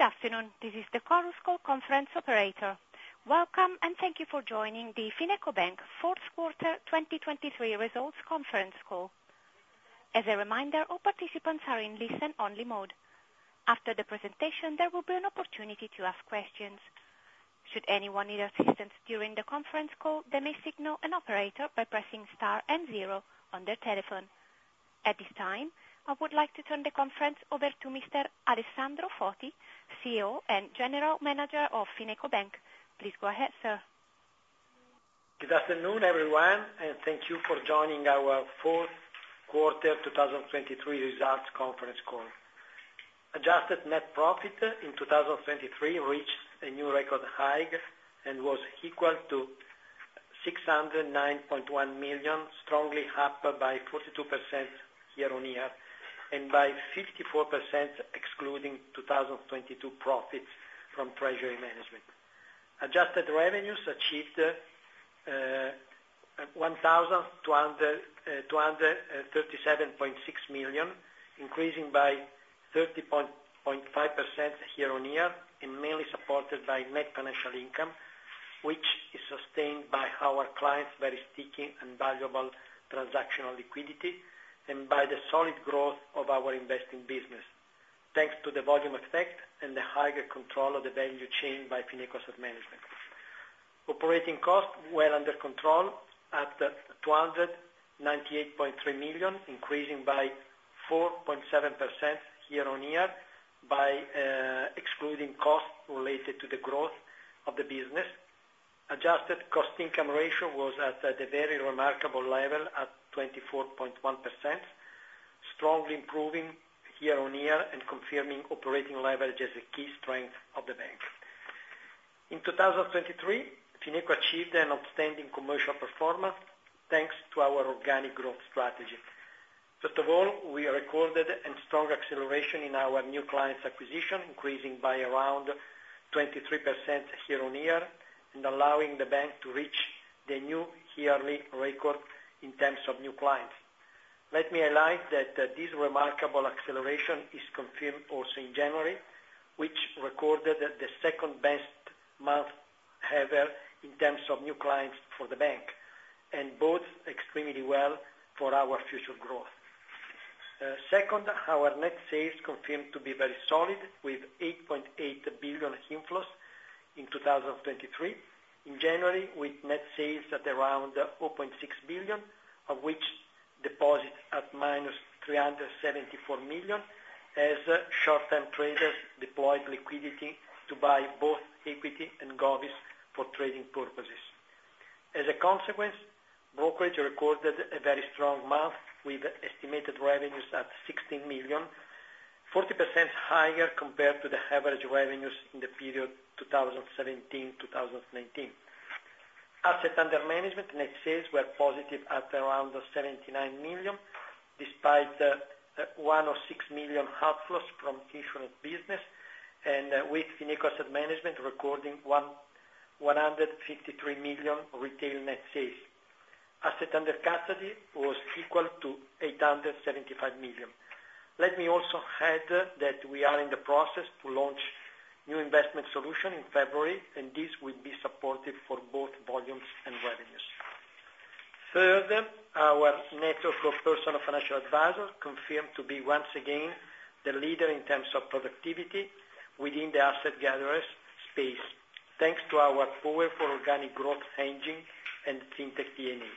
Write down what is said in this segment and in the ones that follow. Good afternoon, this is the Chorus Call Conference Operator. Welcome, and thank you for joining the FinecoBank fourth quarter 2023 results conference call. As a reminder, all participants are in listen-only mode. After the presentation, there will be an opportunity to ask questions. Should anyone need assistance during the conference call, they may signal an operator by pressing star and zero on their telephone. At this time, I would like to turn the conference over to Mr. Alessandro Foti, CEO and General Manager of FinecoBank. Please go ahead, sir. Good afternoon, everyone, and thank you for joining our fourth quarter 2023 results conference call. Adjusted net profit in 2023 reached a new record high and was equal to 609.1 million, strongly up by 42% year-on-year, and by 54%, excluding 2022 profits from treasury management. Adjusted revenues achieved 1,237.6 million, increasing by 30.5% year-on-year and mainly supported by net financial income, which is sustained by our clients' very sticky and valuable transactional liquidity and by the solid growth of our investing business, thanks to the volume effect and the higher control of the value chain by Fineco Asset Management. Operating costs were under control at 298.3 million, increasing by 4.7% year-on-year by excluding costs related to the growth of the business. Adjusted cost income ratio was at a very remarkable level at 24.1%, strongly improving year-on-year and confirming operating leverage as a key strength of the bank. In 2023, Fineco achieved an outstanding commercial performance, thanks to our organic growth strategy. First of all, we recorded a strong acceleration in our new clients' acquisition, increasing by around 23% year-on-year and allowing the bank to reach the new yearly record in terms of new clients. Let me highlight that this remarkable acceleration is confirmed also in January, which recorded the second-best month ever in terms of new clients for the bank, and bodes extremely well for our future growth. Second, our net sales confirmed to be very solid, with 8.8 billion inflows in 2023. In January, with net sales at around 4.6 billion, of which deposits at -374 million, as short-term traders deployed liquidity to buy both equity and govies for trading purposes. As a consequence, brokerage recorded a very strong month, with estimated revenues at 16 million, 40% higher compared to the average revenues in the period 2017-2019. Assets under management net sales were positive at around 79 million, despite 106 million outflows from insurance business and, with Fineco Asset Management recording 153 million retail net sales. Assets under custody was equal to 875 million. Let me also add that we are in the process to launch new investment solution in February, and this will be supportive for both volumes and revenues. Further, our network of personal financial advisors confirmed to be, once again, the leader in terms of productivity within the asset gatherers space, thanks to our powerful organic growth engine and fintech DNA.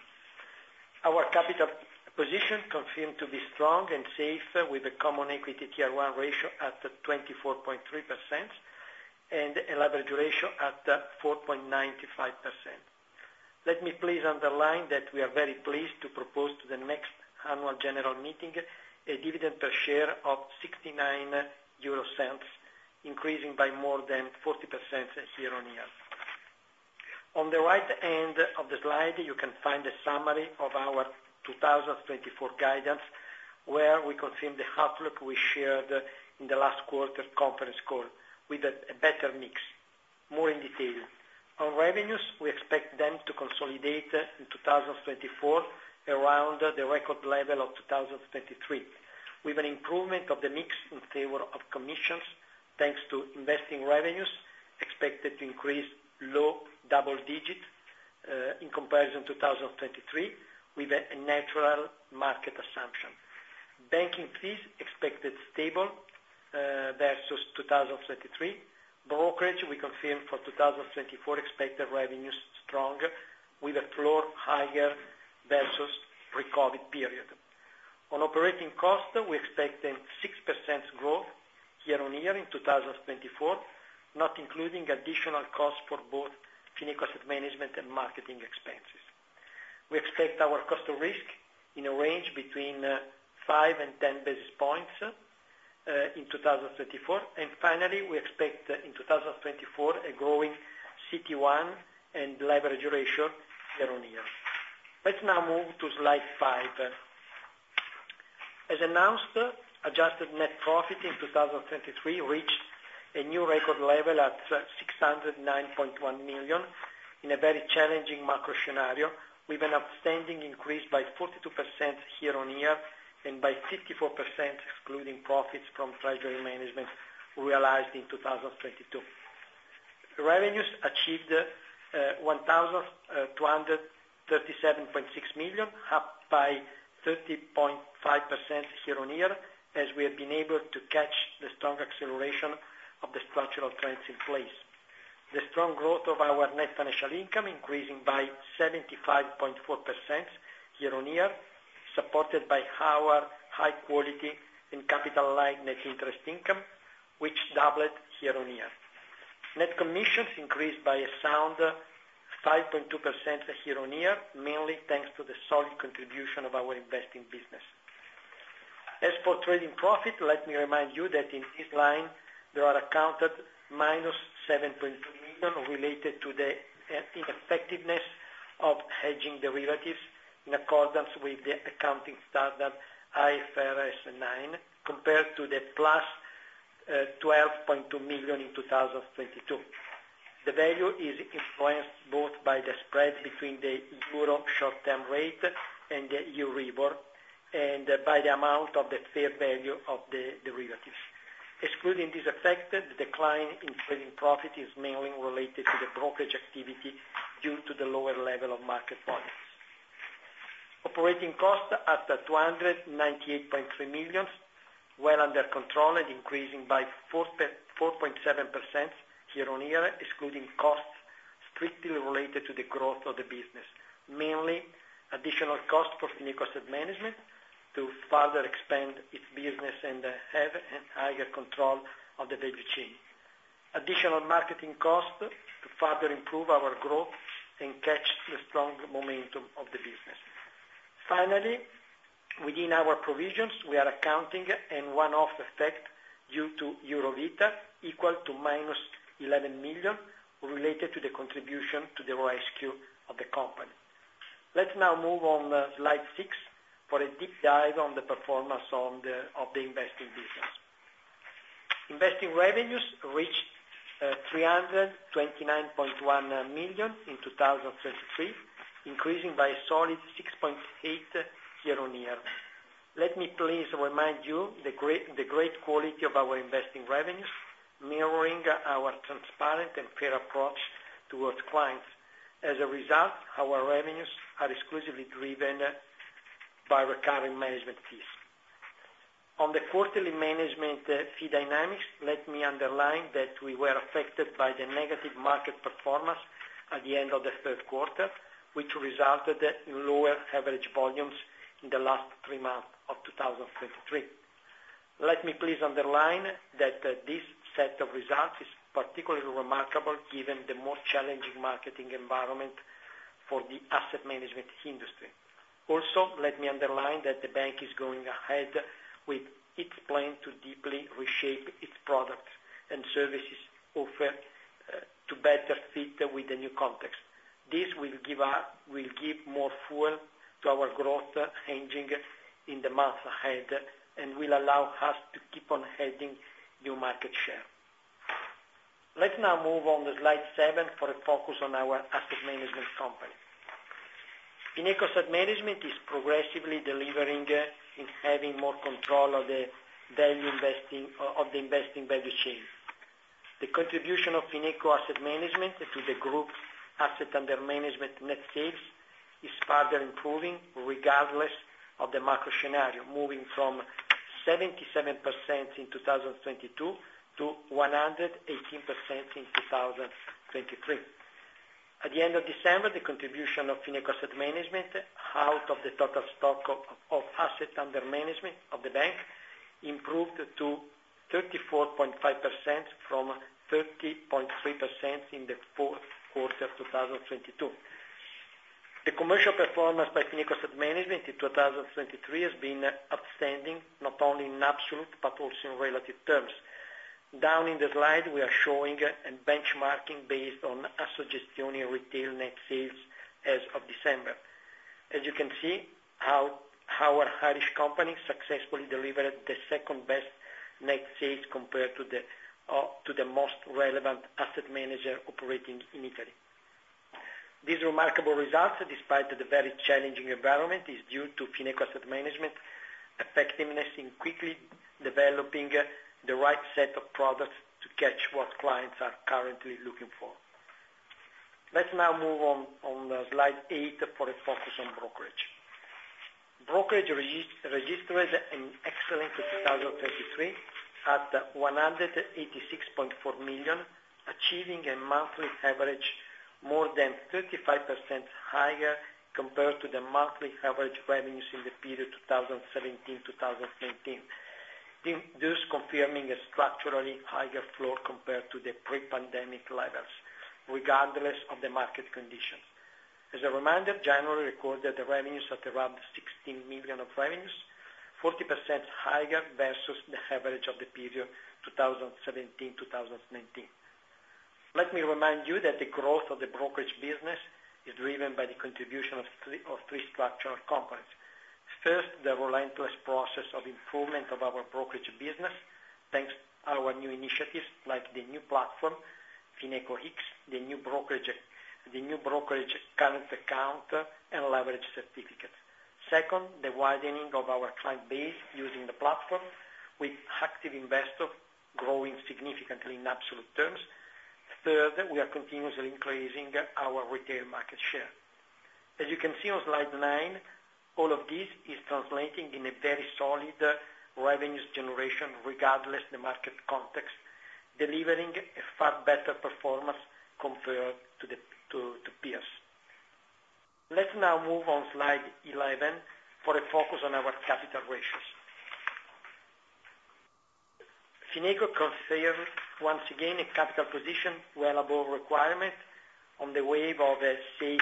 Our capital position confirmed to be strong and safe, with a CET1 ratio at 24.3% and a leverage ratio at 4.95%. Let me please underline that we are very pleased to propose to the next annual general meeting a dividend per share of 0.69, increasing by more than 40% year-on-year. On the right end of the slide, you can find a summary of our 2024 guidance, where we confirm the outlook we shared in the last quarter conference call with a better mix. More in detail. On revenues, we expect them to consolidate in 2024 around the record level of 2023, with an improvement of the mix in favor of commissions, thanks to investing revenues expected to increase low double digits in comparison to 2023, with a natural market assumption. Banking fees expected stable versus 2023. Brokerage, we confirm for 2024 expected revenues stronger, with a floor higher versus pre-COVID period. On operating costs, we're expecting 6% growth year-on-year in 2024, not including additional costs for both Fineco Asset Management and marketing expenses. We expect our cost of risk in a range between 5 and 10 basis points in 2024. Finally, we expect in 2024 a growing CET1 and leverage ratio year-on-year. Let's now move to slide five. As announced, adjusted net profit in 2023 reached a new record level at 609.1 million in a very challenging macro scenario, with an outstanding increase by 42% year-on-year, and by 54%, excluding profits from treasury management realized in 2022. Revenues achieved 1,237.6 million, up by 30.5% year-on-year, as we have been able to catch the strong acceleration of the structural trends in place. The strong growth of our net financial income increasing by 75.4% year-on-year, supported by our high quality and capital light net interest income, which doubled year-on-year. Net commissions increased by a sound 5.2% year-on-year, mainly thanks to the solid contribution of our investing business. As for trading profit, let me remind you that in this line, there are accounted -7.2 million related to the ineffectiveness of hedging derivatives, in accordance with the accounting standard IFRS 9, compared to the +12.2 million in 2022. The value is influenced both by the spread between the €STR and the Euribor, and by the amount of the fair value of the derivatives. Excluding this effect, the decline in trading profit is mainly related to the brokerage activity due to the lower level of market volumes. Operating costs at 298.3 million, well under control and increasing by 4.7% year-on-year, excluding costs strictly related to the growth of the business. Mainly, additional costs for Fineco Asset Management to further expand its business and have a higher control of the value chain. Additional marketing costs to further improve our growth and catch the strong momentum of the business. Finally, within our provisions, we are accounting a one-off effect due to Eurovita, equal to -11 million, related to the contribution to the rescue of the company. Let's now move on to slide six, for a deep dive on the performance of the investing business. Investing revenues reached 329.1 million in 2023, increasing by a solid 6.8% year-on-year. Let me please remind you the great, the great quality of our investing revenues, mirroring our transparent and fair approach towards clients. As a result, our revenues are exclusively driven by recurring management fees. On the quarterly management fee dynamics, let me underline that we were affected by the negative market performance at the end of the third quarter, which resulted in lower average volumes in the last three months of 2023. Let me please underline that this set of results is particularly remarkable, given the more challenging market environment for the asset management industry. Also, let me underline that the bank is going ahead with its plan to deeply reshape its products and services offered to better fit with the new context. This will give more fuel to our growth, changing in the months ahead, and will allow us to keep on adding new market share. Let's now move on to slide seven for a focus on our asset management company. Fineco Asset Management is progressively delivering in having more control of the value investing of the investing value chain. The contribution of Fineco Asset Management to the group's asset under management net sales is further improving regardless of the macro scenario, moving from 77% in 2022 to 118% in 2023. At the end of December, the contribution of Fineco Asset Management out of the total stock of assets under management of the bank improved to 34.5% from 30.3% in the fourth quarter of 2022. The commercial performance by Fineco Asset Management in 2023 has been outstanding, not only in absolute, but also in relative terms. Down in the slide, we are showing a benchmarking based on asset management retail net sales as of December. As you can see how our Irish company successfully delivered the second best net sales compared to the most relevant asset manager operating in Italy. These remarkable results, despite the very challenging environment, is due to Fineco Asset Management effectiveness in quickly developing the right set of products to catch what clients are currently looking for. Let's now move on slide eight for a focus on brokerage. Brokerage registered an excellent 2023 at 186.4 million, achieving a monthly average more than 35% higher compared to the monthly average revenues in the period 2017-2019. Thus confirming a structurally higher flow compared to the pre-pandemic levels, regardless of the market conditions. As a reminder, January recorded the revenues at around 16 million of revenues, 40% higher versus the average of the period 2017-2019. Let me remind you that the growth of the brokerage business is driven by the contribution of three structural companies.... First, the relentless process of improvement of our brokerage business, thanks to our new initiatives, like the new platform, FinecoX, the new brokerage, the new brokerage current account, and leverage certificate. Second, the widening of our client base using the platform, with active investor growing significantly in absolute terms. Third, we are continuously increasing our retail market share. As you can see on slide nine, all of this is translating in a very solid revenues generation, regardless the market context, delivering a far better performance compared to the, to, to peers. Let's now move on slide 11, for a focus on our capital ratios. Fineco confirms, once again, a capital position well above requirement on the wave of a safe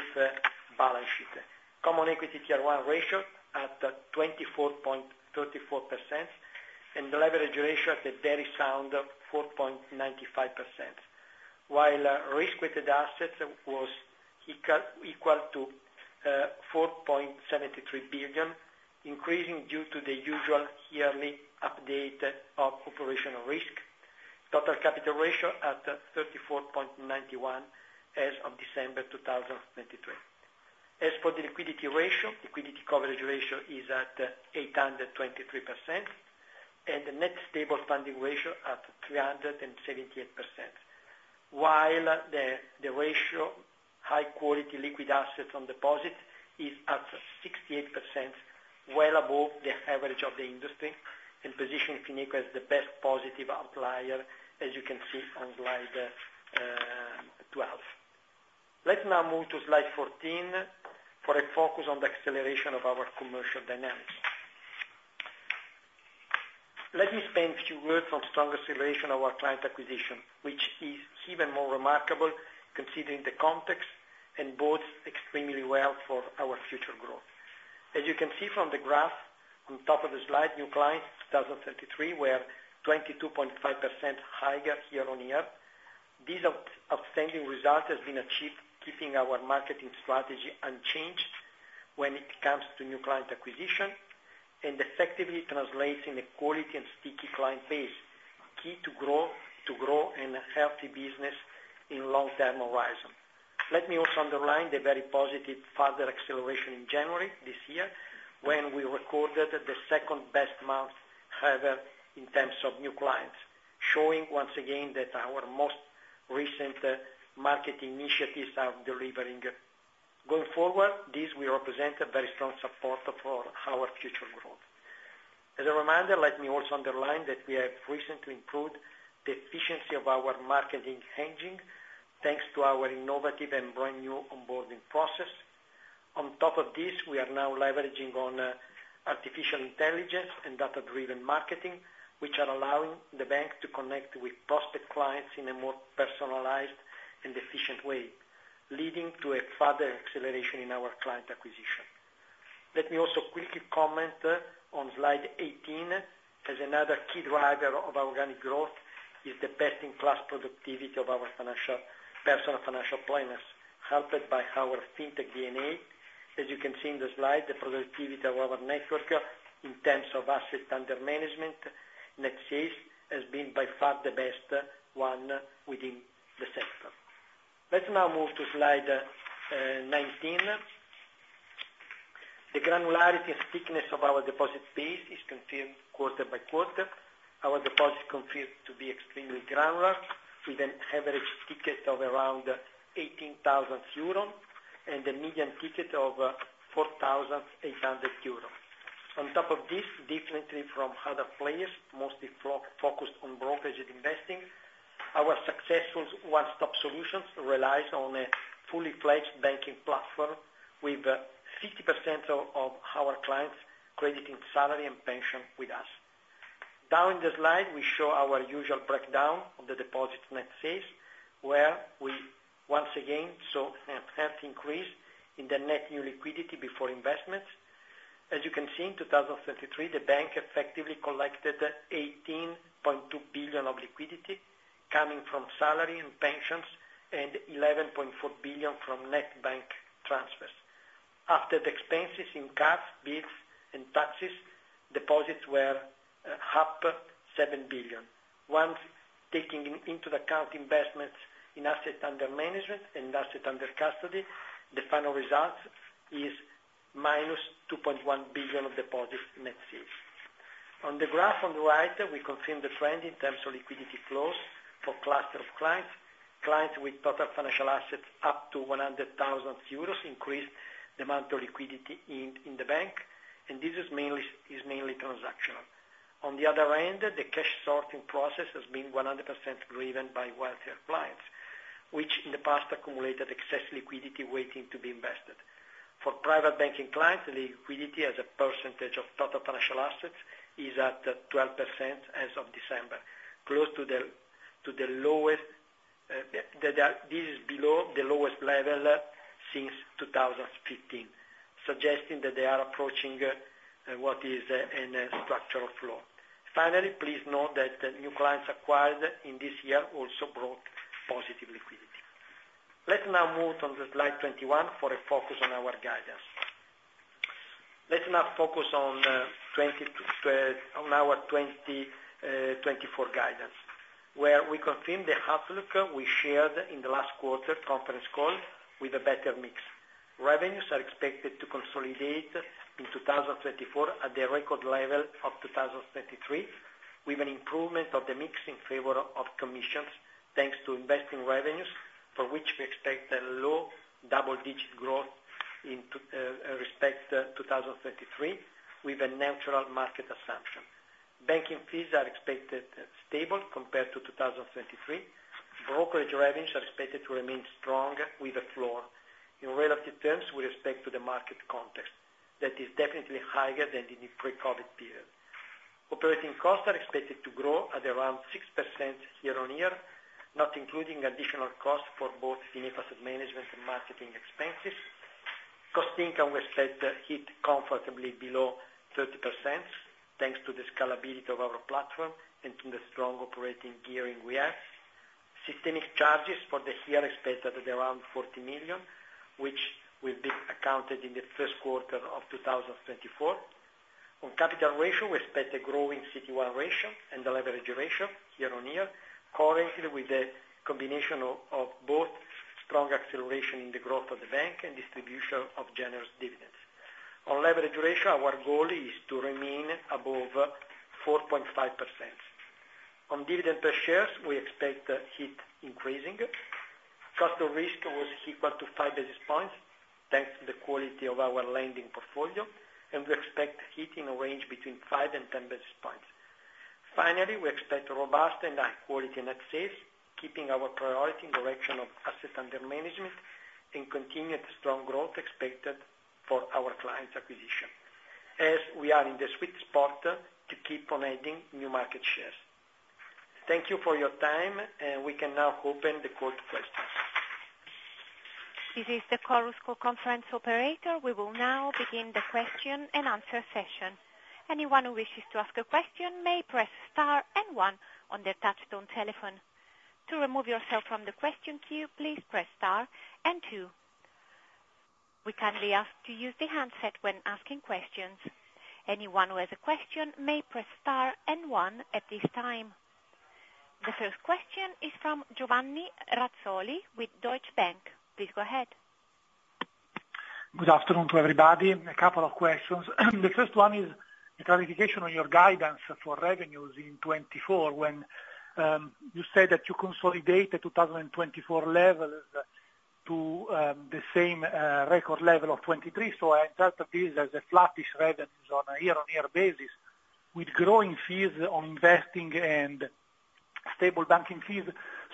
balance sheet. Common Equity Tier 1 ratio at 24.34%, and the leverage ratio at a very sound 4.95%. While risk-weighted assets was equal to 4.73 billion, increasing due to the usual yearly update of operational risk. Total capital ratio at 34.91, as of December 2023. As for the liquidity ratio, liquidity coverage ratio is at 823%, and the net stable funding ratio at 378%. While the ratio, high quality liquid assets on deposit, is at 68%, well above the average of the industry, and positioning Fineco as the best positive outlier, as you can see on slide 12. Let's now move to slide 14, for a focus on the acceleration of our commercial dynamics. Let me spend a few words on strong acceleration of our client acquisition, which is even more remarkable considering the context, and bodes extremely well for our future growth. As you can see from the graph on top of the slide, new clients, 2023, were 22.5% higher year-on-year. This outstanding result has been achieved keeping our marketing strategy unchanged when it comes to new client acquisition, and effectively translating a quality and sticky client base, key to grow, to grow in a healthy business in long-term horizon. Let me also underline the very positive further acceleration in January, this year, when we recorded the second-best month ever in terms of new clients, showing once again that our most recent marketing initiatives are delivering. Going forward, this will represent a very strong support for our future growth. As a reminder, let me also underline that we have recently improved the efficiency of our marketing engine, thanks to our innovative and brand new onboarding process. On top of this, we are now leveraging on artificial intelligence and data-driven marketing, which are allowing the bank to connect with prospective clients in a more personalized and efficient way, leading to a further acceleration in our client acquisition. Let me also quickly comment on slide 18, as another key driver of organic growth is the best-in-class productivity of our personal financial planners, helped by our fintech DNA. As you can see in the slide, the productivity of our network in terms of assets under management, net sales, has been by far the best one within the sector. Let's now move to slide 19. The granularity and thickness of our deposit base is confirmed quarter by quarter. Our deposits continue to be extremely granular, with an average ticket of around 18,000 euros, and a median ticket of 4,800 euros. On top of this, differently from other players, mostly focused on brokerage and investing, our successful one-stop solutions relies on a fully-fledged banking platform, with 50% of our clients crediting salary and pension with us. Down the slide, we show our usual breakdown of the deposit net sales, where we once again saw a healthy increase in the net new liquidity before investments. As you can see, in 2023, the bank effectively collected 18.2 billion of liquidity, coming from salary and pensions, and 11.4 billion from net bank transfers. After the expenses in cash, bills, and taxes, deposits were up 7 billion. Once taking into account investments in assets under management and assets under custody, the final result is minus 2.1 billion of deposits net sales. On the graph on the right, we confirm the trend in terms of liquidity flows for cluster of clients. Clients with total financial assets up to 100,000 euros increased the amount of liquidity in the bank, and this is mainly transactional. On the other end, the cash sorting process has been 100% driven by wealthier clients, which in the past accumulated excess liquidity waiting to be invested. For private banking clients, the liquidity as a percentage of total financial assets is at 12% as of December, close to the lowest. This is below the lowest level since 2015, suggesting that they are approaching what is a structural floor. Finally, please note that the new clients acquired in this year also brought positive liquidity. Let's now move on to slide 21 for a focus on our guidance. Let's now focus on our 2024 guidance, where we confirm the outlook we shared in the last quarter conference call with a better mix. Revenues are expected to consolidate in 2024 at the record level of 2023, with an improvement of the mix in favor of commissions, thanks to investing revenues, for which we expect a low double digit growth in respect to 2023, with a natural market assumption. Banking fees are expected stable compared to 2023. Brokerage revenues are expected to remain strong with a floor, in relative terms with respect to the market context, that is definitely higher than in the pre-COVID period. Operating costs are expected to grow at around 6% year-on-year, not including additional costs for both asset management and marketing expenses. Cost income we said, hit comfortably below 30%, thanks to the scalability of our platform and to the strong operating gearing we have. Systemic charges for the year expected at around 40 million, which will be accounted in the first quarter of 2024. On capital ratio, we expect a growing CET1 ratio and the leverage ratio year-on-year, currently with a combination of, of both strong acceleration in the growth of the bank and distribution of generous dividends. On leverage ratio, our goal is to remain above 4.5%. On dividend per shares, we expect NII increasing. Cost of risk was equal to 5 basis points, thanks to the quality of our lending portfolio, and we expect hitting a range between 5 and 10 basis points. Finally, we expect robust and high quality net sales, keeping our priority in direction of assets under management and continued strong growth expected for our clients' acquisition, as we are in the sweet spot to keep on adding new market shares. Thank you for your time, and we can now open the call to questions. This is the Chorus Call conference operator. We will now begin the question-and-answer session. Anyone who wishes to ask a question may press star and one on their touchtone telephone. To remove yourself from the question queue, please press star and two. We kindly ask to use the handset when asking questions. Anyone who has a question may press star and one at this time. The first question is from Giovanni Razzoli with Deutsche Bank. Please go ahead. Good afternoon to everybody. A couple of questions. The first one is a clarification on your guidance for revenues in 2024, when you say that you consolidate the 2024 levels to the same record level of 2023. So I interpret this as a flattish revenues on a year-on-year basis, with growing fees on investing and stable banking fees.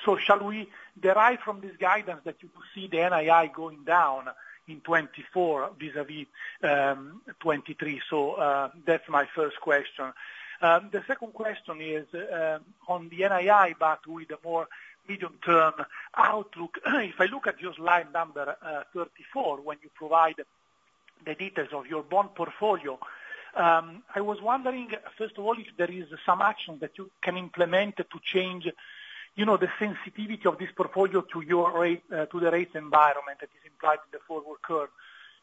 So shall we derive from this guidance that you foresee the NII going down in 2024 vis-à-vis 2023? So, that's my first question. The second question is on the NII, but with a more medium-term outlook. If I look at your slide number 34, when you provide the details of your bond portfolio, I was wondering, first of all, if there is some action that you can implement to change, you know, the sensitivity of this portfolio to your rate to the rate environment that is implied in the forward curve.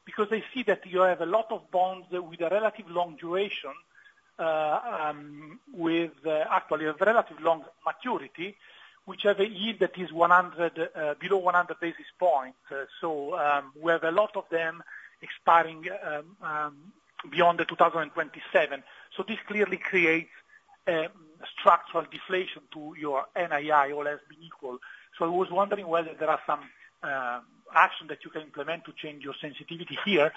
Because I see that you have a lot of bonds with a relative long duration with actually a relative long maturity, which have a yield that is 100 below 100 basis points. So we have a lot of them expiring beyond 2027. So this clearly creates structural deflation to your NII, all else being equal. So I was wondering whether there are some action that you can implement to change your sensitivity here.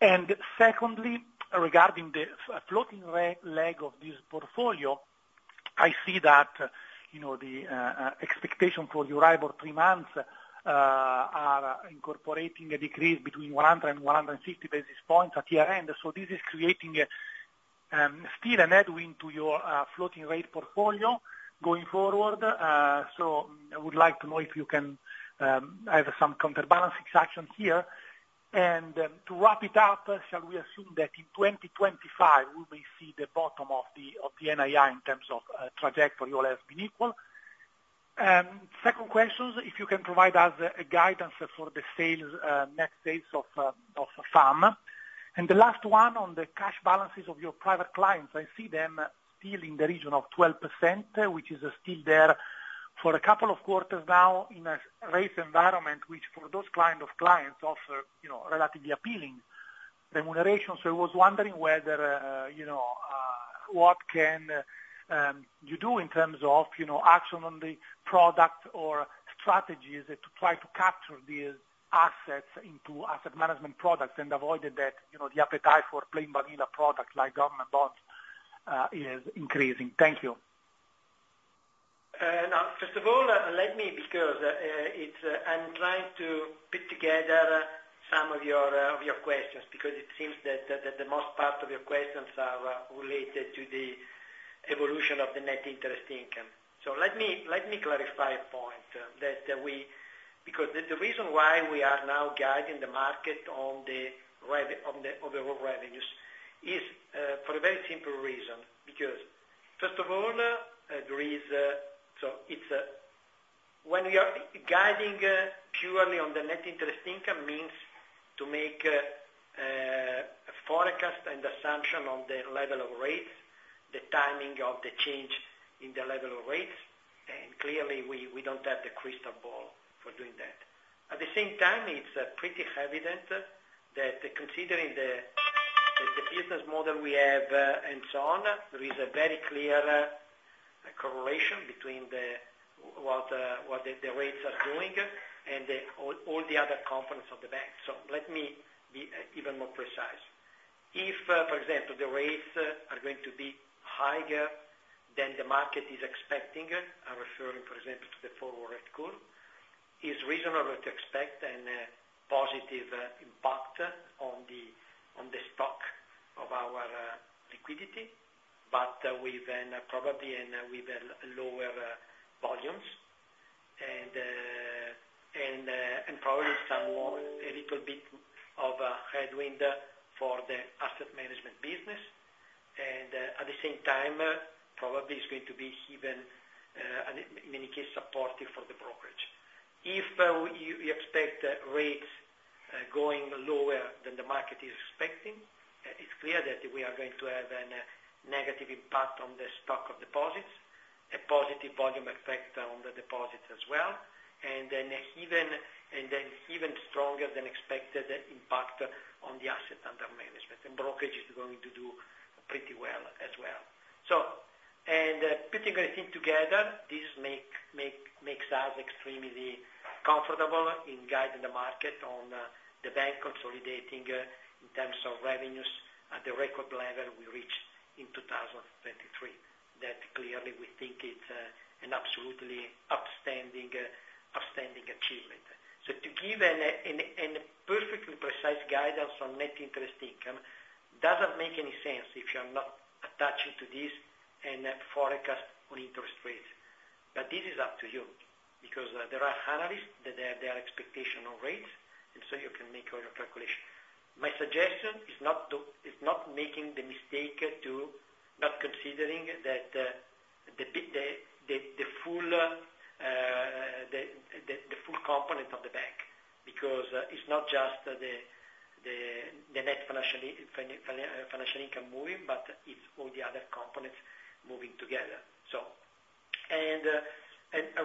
And secondly, regarding the floating rate leg of this portfolio, I see that, you know, the expectation for Euribor three months are incorporating a decrease between 100 and 150 basis points at year-end. So this is creating still a headwind to your floating rate portfolio going forward. So I would like to know if you can have some counterbalancing action here. And to wrap it up, shall we assume that in 2025, we may see the bottom of the NII in terms of trajectory, all else being equal? Second questions, if you can provide us a guidance for the next dates of FAM. And the last one on the cash balances of your private clients. I see them still in the region of 12%, which is still there for a couple of quarters now in a rate environment, which for those kind of clients offer, you know, relatively appealing remuneration. So I was wondering whether, you know, what can you do in terms of, you know, action on the product or strategies to try to capture these assets into asset management products and avoid that, you know, the appetite for plain vanilla products like government bonds is increasing. Thank you. Now, first of all, let me, because it's, I'm trying to put together some of your of your questions, because it seems that the most part of your questions are related to the evolution of the net interest income. So let me clarify a point that we... Because the reason why we are now guiding the market on the revenues is for a very simple reason, because. First of all, there is, so it's when we are guiding purely on the net interest income, means to make a forecast and assumption on the level of rates, the timing of the change in the level of rates, and clearly, we don't have the crystal ball for doing that. At the same time, it's pretty evident that considering the business model we have, and so on, there is a very clear correlation between what the rates are doing and all the other components of the bank. So let me be even more precise. If, for example, the rates are going to be higher than the market is expecting, I'm referring, for example, to the forward rate curve, it's reasonable to expect a positive impact on the stock of our liquidity, but with then probably and with lower volumes and probably some more, a little bit of headwind for the asset management business. At the same time, probably it's going to be even in many cases supportive for the brokerage. If we expect rates going lower than the market is expecting, it is clear that we are going to have a negative impact on the stock of deposits, a positive volume effect on the deposits as well, and an even stronger than expected impact on the asset under management, and brokerage is going to do pretty well as well. So, putting everything together, this makes us extremely comfortable in guiding the market on the bank consolidating in terms of revenues at the record level we reached in 2023. That clearly, we think it's an absolutely upstanding achievement. So to give a perfectly precise guidance on net interest income doesn't make any sense if you're not attaching to this and a forecast on interest rates. But this is up to you, because there are analysts that they have their expectation on rates, and so you can make all your calculation. My suggestion is not making the mistake to not considering that the full component of the bank, because it's not just the net financial income moving, but it's all the other components moving together. So, and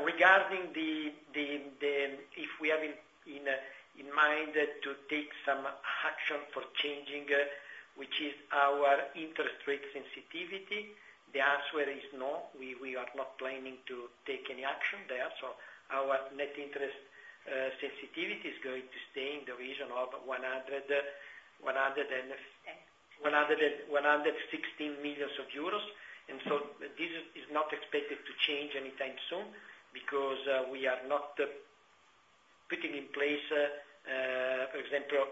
regarding the if we have in mind to take some action for changing which is our interest rate sensitivity, the answer is no. We are not planning to take any action there, so our net interest sensitivity is going to stay in the region of 100 million-116 million euros, and so this is not expected to change anytime soon, because we are not putting in place, for example,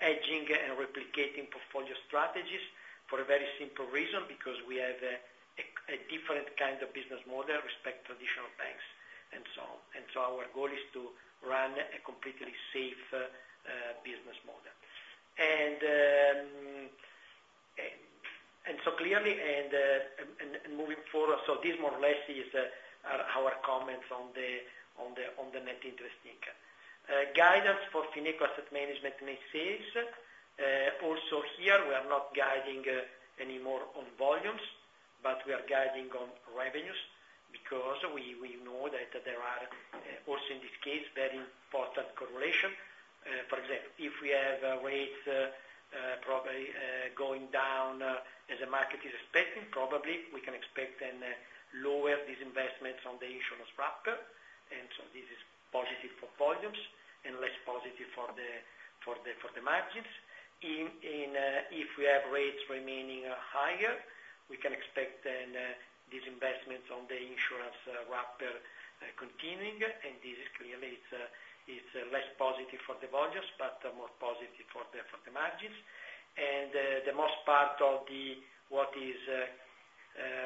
hedging and replicating portfolio strategies for a very simple reason: because we have a different kind of business model respect to traditional banks, and so on. And so our goal is to run a completely safe business model. And so clearly, moving forward, so this more or less is our comments on the net interest income. Guidance for Fineco Asset Management net sales, also here, we are not guiding anymore on volumes, but we are guiding on revenues, because we know that there are also in this case, very important correlation. For example, if we have rates probably going down as the market is expecting, probably we can expect then lower disinvestment from the insurance wrapper, and so this is positive for volumes and less positive for the margins. If we have rates remaining higher, we can expect then these investments on the insurance wrapper continuing, and this is clearly, it's less positive for the volumes, but more positive for the margins. And, the most part of the, what is,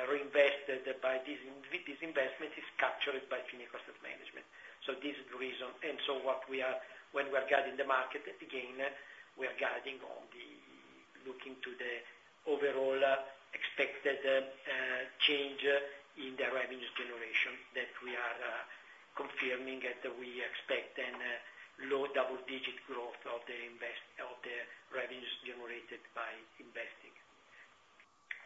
reinvested by this inv- this investment is captured by Fineco Asset Management. So this is the reason, and so what we are, when we are guiding the market, again, we are guiding on the, looking to the overall, expected, change, in the revenues generation, that we are, confirming, and we expect, and, low double digit growth of the invest- of the revenues generated by investing.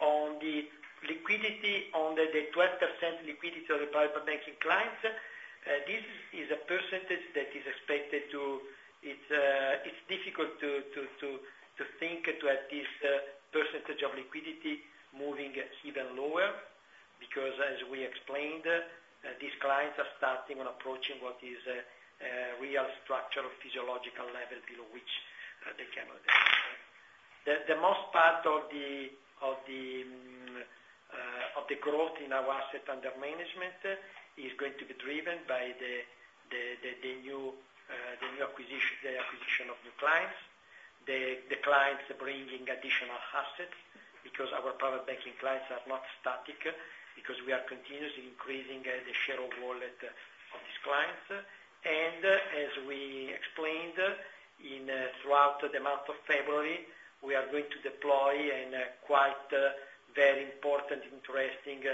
On the liquidity, on the, the 12% liquidity of the private banking clients, this is a percentage that is expected to... It's, it's difficult to, to, to, to think to at least, percentage of liquidity moving even lower, because as we explained, these clients are starting and approaching what is, a real structural physiological level below which, they cannot. The most part of the growth in our asset under management is going to be driven by the new acquisition, the acquisition of new clients. The clients bringing additional assets, because our private banking clients are not static, because we are continuously increasing the share of wallet of these clients. And as we explained, throughout the month of February, we are going to deploy a quite, very important, interesting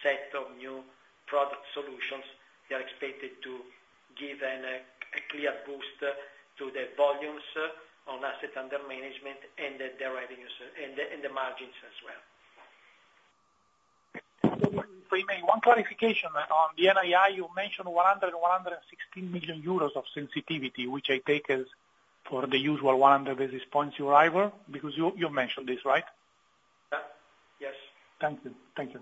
set of new product solutions, that are expected to give a clear boost to the volumes on assets under management and the revenues and the margins as well. Let me, one clarification on the NII, you mentioned 100 million euros and 116 million euros of sensitivity, which I take as for the usual 100 basis points arrival, because you, you mentioned this, right? Uh, yes. Thank you. Thank you.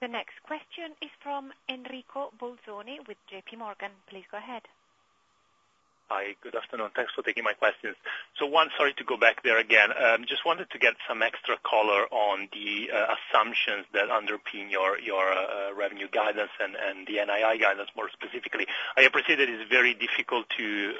The next question is from Enrico Bolzoni with JPMorgan. Please go ahead. Hi, good afternoon. Thanks for taking my questions. So one, sorry to go back there again. Just wanted to get some extra color on the assumptions that underpin your revenue guidance and the NII guidance, more specifically. I appreciate it is very difficult to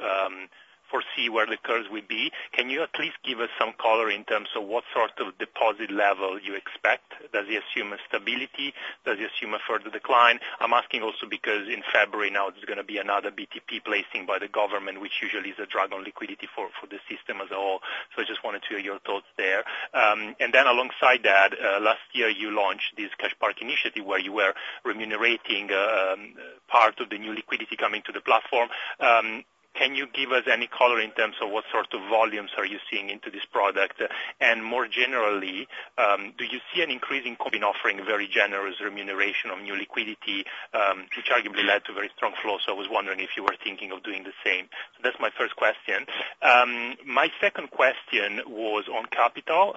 foresee where the curves will be. Can you at least give us some color in terms of what sort of deposit level you expect? Does it assume a stability? Does it assume a further decline? I'm asking also because in February now, there's gonna be another BTP placing by the government, which usually is a drag on liquidity for the system as a whole. So I just wanted to hear your thoughts there. And then alongside that, last year, you launched this CashPark initiative, where you were remunerating, part of the new liquidity coming to the platform. Can you give us any color in terms of what sort of volumes are you seeing into this product? And more generally, do you see an increase in offering very generous remuneration on new liquidity, which arguably led to very strong flow, so I was wondering if you were thinking of doing the same? So that's my first question. My second question was on capital.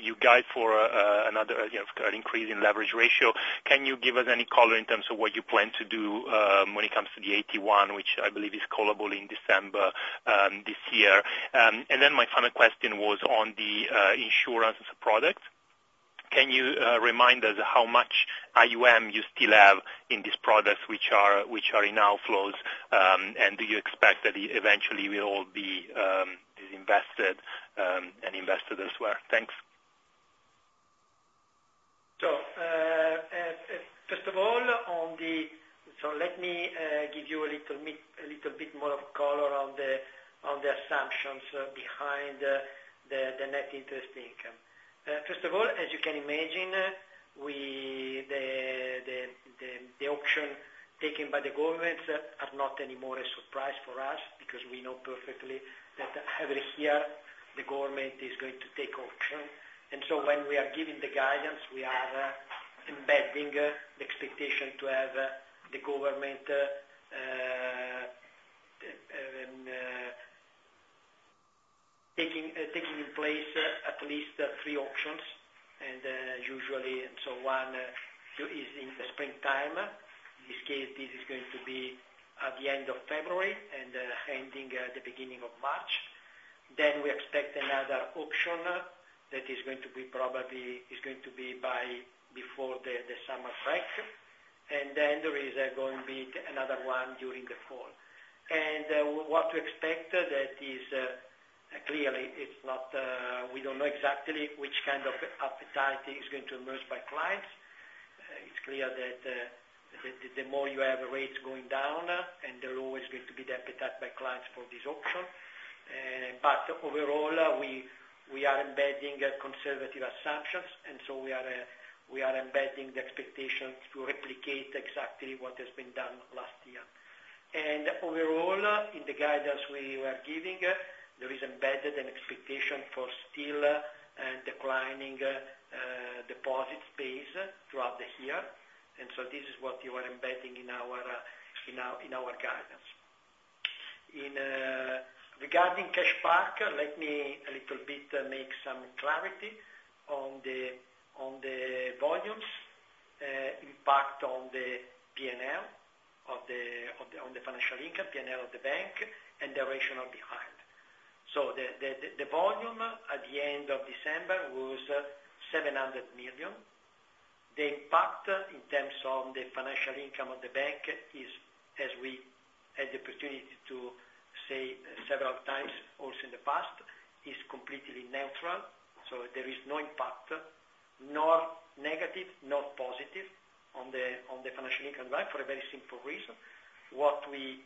You guide for, another, you know, an increase in leverage ratio. Can you give us any color in terms of what you plan to do, when it comes to the AT1, which I believe is callable in December, this year? And then my final question was on the insurance as a product. Can you remind us how much IUM you still have in this product, which are in outflows, and do you expect that eventually will all be invested and invested elsewhere? Thanks. So let me give you a little bit more of color on the assumptions behind the net interest income. First of all, as you can imagine, the auctions taken by the governments are not anymore a surprise for us. Because we know perfectly that every year, the government is going to take auctions. And so when we are giving the guidance, we are embedding the expectation to have the government taking place at least three auctions. And usually, one, two is in the springtime. In this case, this is going to be at the end of February, and ending at the beginning of March. Then we expect another auction that is going to be probably by before the summer break. And then there is going to be another one during the fall. And what we expect that is clearly, it's not we don't know exactly which kind of appetite is going to emerge by clients. It's clear that the more you have rates going down, and there's always going to be the appetite by clients for this auction. But overall, we are embedding conservative assumptions, and so we are embedding the expectations to replicate exactly what has been done last year. And overall, in the guidance we are giving, there is embedded an expectation for still declining deposit base throughout the year. So this is what you are embedding in our guidance. Regarding CashPark, let me a little bit make some clarity on the volumes impact on the PNL of the financial income PNL of the bank, and the rationale behind. So the volume at the end of December was 700 million. The impact in terms of the financial income of the bank is, as we had the opportunity to say several times, also in the past, is completely neutral. So there is no impact, not negative, not positive, on the financial income bank, for a very simple reason. What we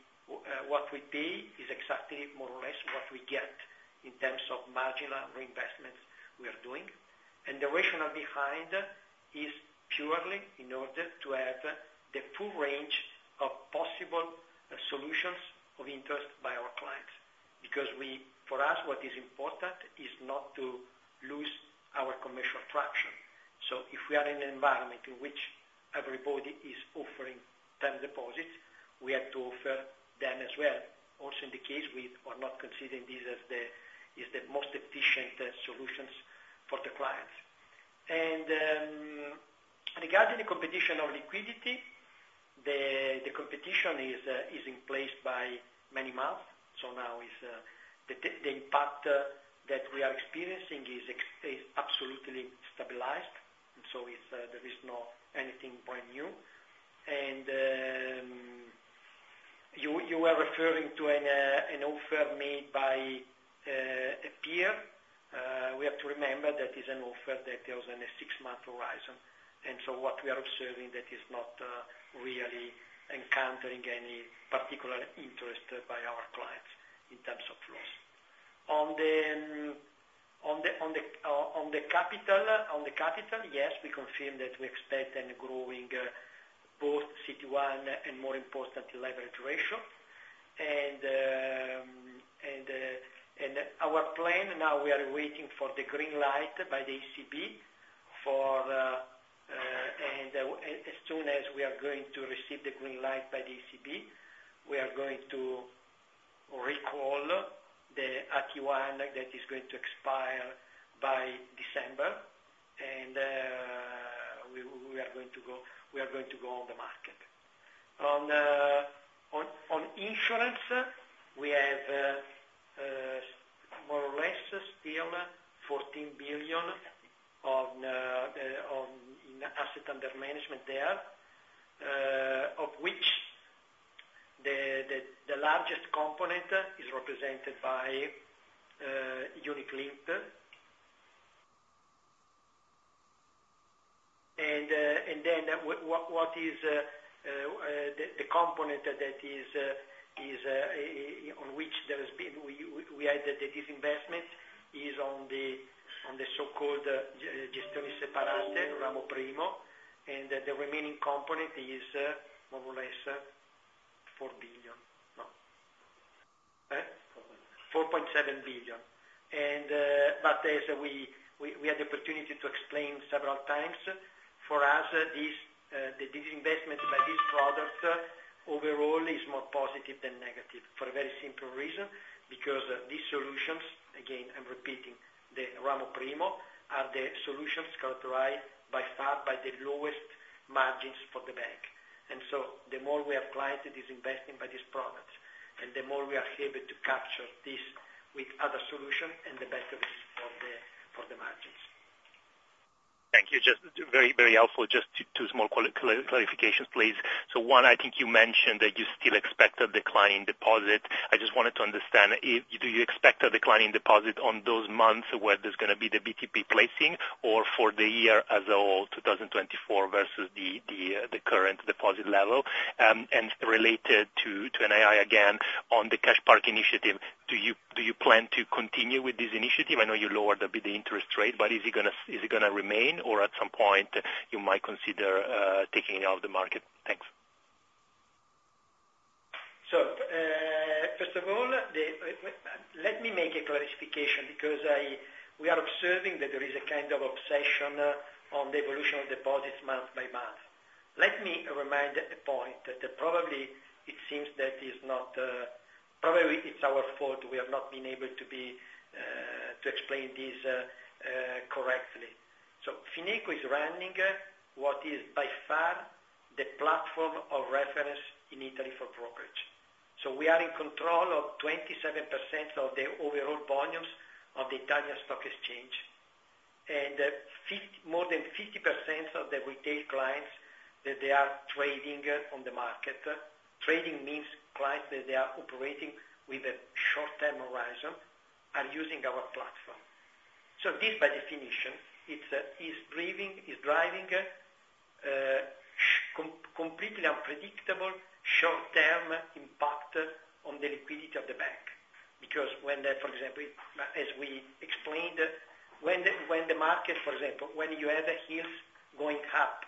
pay is exactly more or less what we get in terms of marginal reinvestments we are doing. The rationale behind is purely in order to have the full range of possible solutions of interest by our clients. Because we, for us, what is important, is not to lose our commercial traction. So if we are in an environment in which everybody is offering term deposits, we have to offer them as well. Also, in the case we are not considering this as the most efficient solutions for the clients. Regarding the competition on liquidity, the competition is in place by many months. So now the impact that we are experiencing is absolutely stabilized, and so there is no anything brand new. You are referring to an offer made by a peer. We have to remember that is an offer that deals in a six-month horizon, and so what we are observing, that is not really encountering any particular interest by our clients in terms of loss. On the capital, yes, we confirm that we expect a growing, both CET1 and more importantly, leverage ratio. And, our plan now, we are waiting for the green light by the ECB for, and, as soon as we are going to receive the green light by the ECB, we are going to recall the AT1 that is going to expire by December, and, we are going to go on the market. On insurance, we have more or less still 14 billion in asset under management there, of which the largest component is represented by UniCredit. And then what is the component that is on which there has been we had the disinvestment is on the so-called Gestioni Separate Ramo Primo, and the remaining component is more or less 4 billion. No. Eh? Four point. 4.7 billion. But as we had the opportunity to explain several times, for us, this, the disinvestment by this product, overall, is more positive than negative for a very simple reason. Because these solutions, again, I'm repeating, the Ramo Primo, are the solutions characterized by far by the lowest margins for the bank. And so the more we have clients disinvesting by this product, and the more we are able to capture this with other solution, and the better it is for the margins. Thank you. Just very, very helpful. Just two small clarifications, please. So one, I think you mentioned that you still expect a decline in deposit. I just wanted to understand, do you expect a decline in deposit on those months where there's gonna be the BTP placing, or for the year as a whole, 2024, versus the current deposit level? And related to NII, again, on the CashPark initiative, do you plan to continue with this initiative? I know you lowered a bit the interest rate, but is it gonna remain, or at some point, you might consider taking it off the market? Thanks. So, first of all, let me make a clarification, because we are observing that there is a kind of obsession on the evolution of deposits month by month. Let me remind a point, that probably it seems that it's not. Probably it's our fault, we have not been able to explain this correctly. So Fineco is running what is by far the platform of reference in Italy for brokerage. So we are in control of 27% of the overall volumes of the Italian Stock Exchange, and more than 50% of the retail clients, that they are trading on the market. Trading means clients, that they are operating with a short-term horizon, are using our platform. So this, by definition, is driving completely unpredictable short-term impact on the liquidity of the bank. Because when the, for example, as we explained, when the, when the market, for example, when you have the yields going up,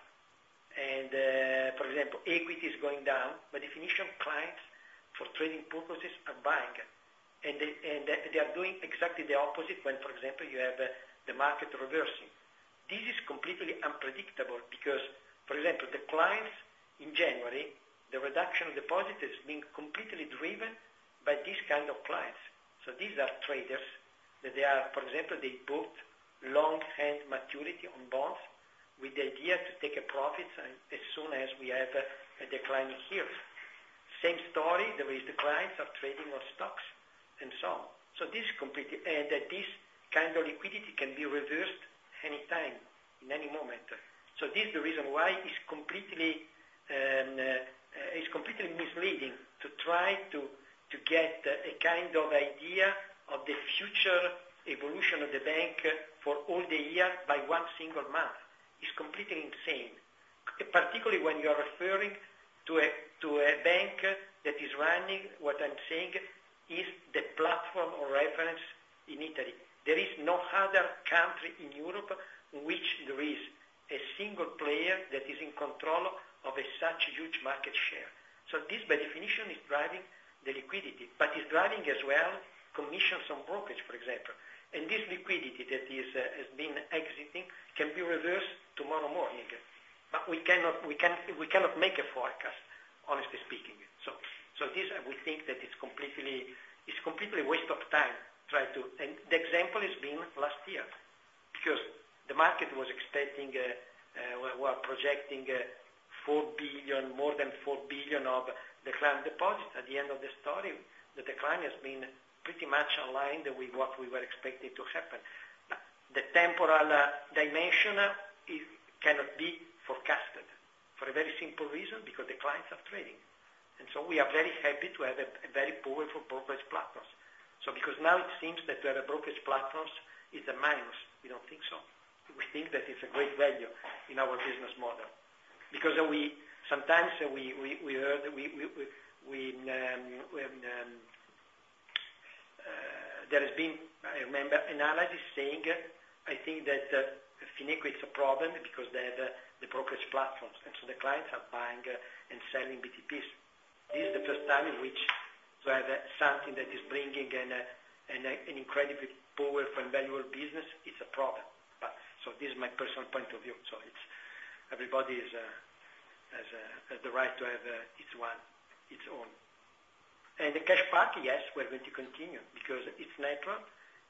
and, for example, equity is going down, by definition, clients for trading purposes are buying. And they are doing exactly the opposite when, for example, you have the market reversing. This is completely unpredictable because, for example, the clients in January, the reduction of deposit is being completely driven by these kind of clients. So these are traders, that they are, for example, they bought long hand maturity on bonds with the idea to take a profit and as soon as we have a decline in yields. Same story, there is the clients are trading on stocks, and so on. So this is completely that this kind of liquidity can be reversed any time, in any moment. So this is the reason why it's completely it's completely misleading to try to get a kind of idea of the future evolution of the bank for all the year by one single month. It's completely insane, particularly when you are referring to a to a bank that is running what I'm saying is the platform of reference in Italy. There is no other country in Europe in which there is a single player that is in control of such a huge market share. So this, by definition, is driving the liquidity, but is driving as well commissions on brokerage, for example. And this liquidity that has been exiting can be reversed tomorrow morning. But we cannot make a forecast, honestly speaking. So this, I would think that it's completely a waste of time. And the example has been last year. Because the market was expecting we were projecting 4 billion, more than 4 billion of decline deposit. At the end of the story, the decline has been pretty much aligned with what we were expecting to happen. The temporal dimension cannot be forecasted for a very simple reason, because the clients are trading. And so we are very happy to have a very powerful brokerage platform. So because now it seems that to have a brokerage platform is a minus, we don't think so. We think that it's a great value in our business model. Because sometimes we heard there has been, I remember, analysis saying, I think that Fineco is a problem because they have the brokerage platforms, and so the clients are buying and selling BTPs. This is the first time in which to have something that is bringing an incredibly powerful and valuable business, it's a problem. But so this is my personal point of view, so it's... everybody has the right to have each one its own. And the CashPark, yes, we're going to continue because it's natural.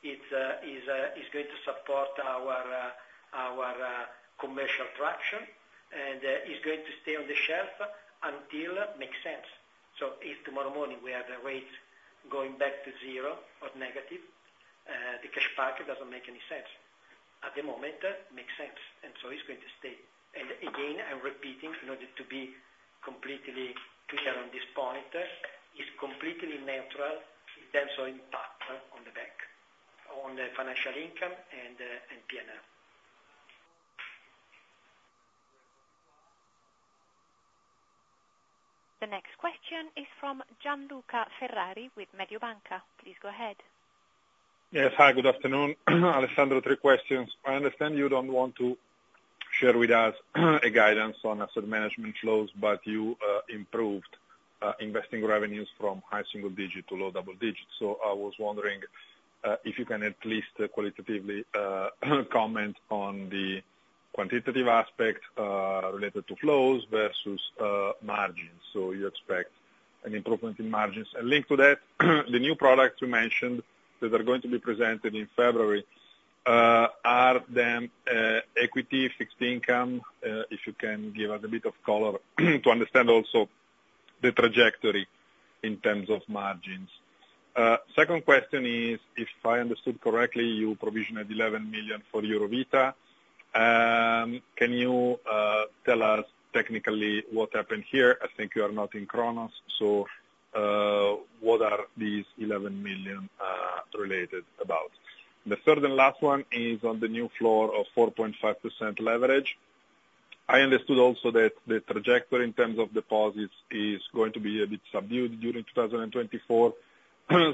It's going to support our commercial traction, and it's going to stay on the shelf until makes sense. So if tomorrow morning we have the rates going back to zero or negative, the CashPark doesn't make any sense. At the moment, it makes sense, and so it's going to stay. And again, I'm repeating in order to be completely clear on this point, it's completely neutral in terms of impact on the bank, on the financial income and, and PNL. The next question is from Gianluca Ferrari with Mediobanca. Please go ahead. Yes. Hi, good afternoon. Alessandro, three questions. I understand you don't want to share with us a guidance on asset management flows, but you improved investing revenues from high single-digit to low double-digits. So I was wondering if you can at least qualitatively comment on the quantitative aspect related to flows versus margins. So you expect an improvement in margins. And linked to that, the new products you mentioned that are going to be presented in February are them equity, fixed income? If you can give us a bit of color to understand also the trajectory in terms of margins. Second question is, if I understood correctly, you provisioned 11 million for Eurovita. Can you tell us technically what happened here? I think you are not in Chorus, so what are these 11 million related about? The third and last one is on the new floor of 4.5% leverage. I understood also that the trajectory in terms of deposits is going to be a bit subdued during 2024.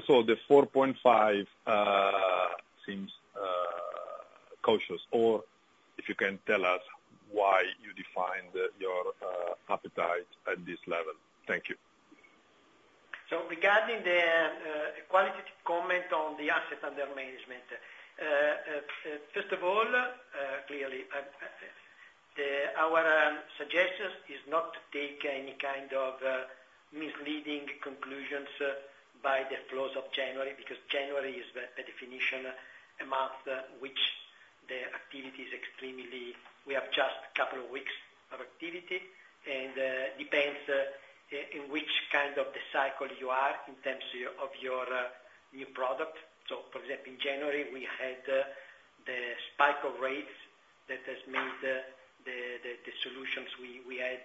So the 4.5 seems cautious, or if you can tell us why you defined your appetite at this level. Thank you. So regarding the qualitative comment on the assets under management, first of all, clearly, our suggestions is not to take any kind of misleading conclusions by the close of January, because January is a definitional month which the activity is extremely... we have just a couple of weeks of activity, and depends in which kind of the cycle you are in terms of your new product. So, for example, in January, we had the spike of rates that has made the solutions we had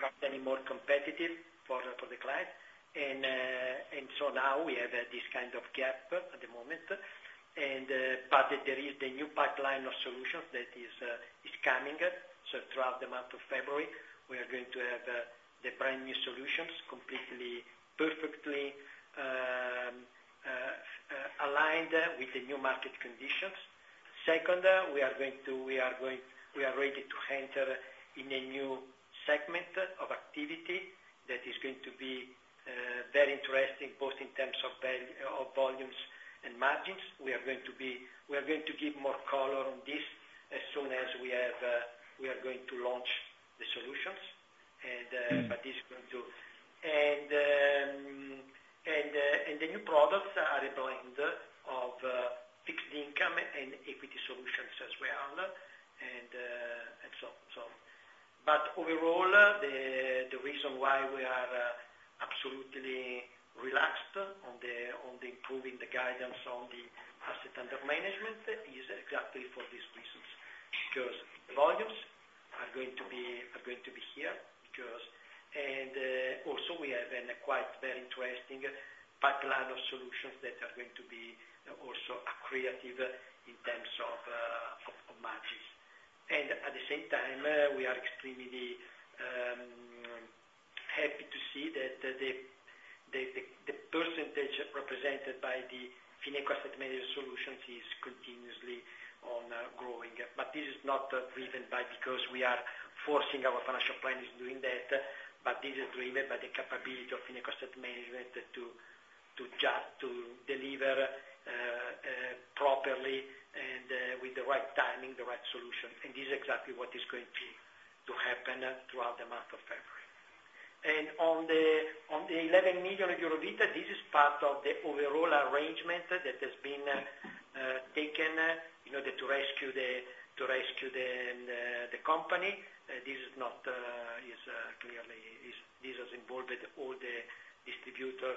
not any more competitive for the client. And so now we have this kind of gap at the moment, but there is the new pipeline of solutions that is coming. So throughout the month of February, we are going to have the brand new solutions completely, perfectly aligned with the new market conditions. Second, we are ready to enter in a new segment of activity that is going to be very interesting, both in terms of val- of volumes and margins. We are going to give more color on this as soon as we are going to launch the solutions, and but this is going to. And the new products are a blend of fixed income and equity solutions as well, and so, so. But overall, the reason why we are absolutely relaxed on the improving the guidance on the asset under management is exactly for these reasons. Because volumes are going to be here, because... And also we have a quite very interesting pipeline of solutions that are going to be also accretive in terms of of margins. And at the same time, we are extremely happy to see that the percentage represented by the Fineco Asset Management Solutions is continuously growing. But this is not driven by because we are forcing our financial planners doing that, but this is driven by the capability of Fineco Asset Management to just deliver properly and with the right timing, the right solution. And this is exactly what is going to happen throughout the month of February. On the 11 million euro of Eurovita, this is part of the overall arrangement that has been taken, you know, to rescue the company. This is involved all the distributor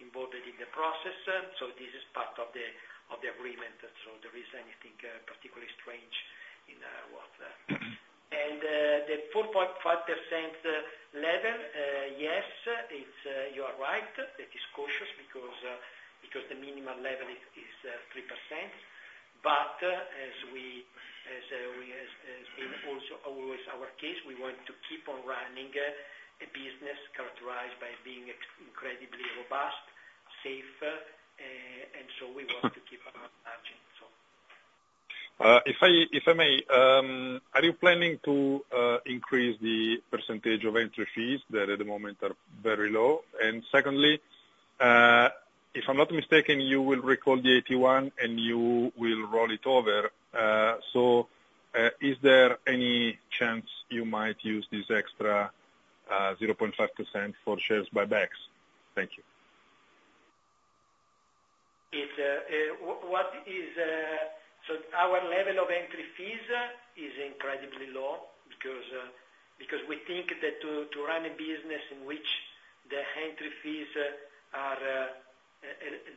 involved in the process. So this is part of the agreement. So there isn't anything particularly strange in what. And the 4.5% level, yes, it is cautious because the minimum level is 3%. But as we, as in also always our case, we want to keep on running a business characterized by being extremely incredibly robust, safe, and so we want to keep our margin, so. If I may, are you planning to increase the percentage of entry fees that at the moment are very low? Secondly, if I'm not mistaken, you will recall the AT1, and you will roll it over. So, is there any chance you might use this extra 0.5% for shares buybacks? Thank you. So our level of entry fees is incredibly low because we think that to run a business in which the entry fees are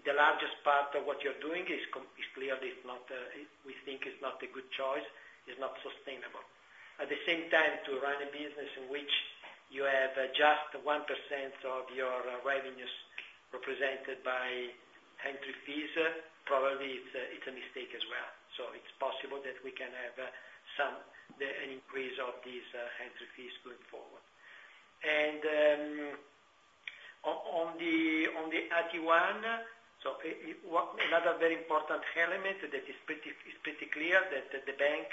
the largest part of what you're doing is clearly not a good choice, is not sustainable. At the same time, to run a business in which you have just 1% of your revenues represented by entry fees, probably it's a mistake as well. So it's possible that we can have an increase of these entry fees going forward. And on the AT1, one another very important element that it's pretty clear that the bank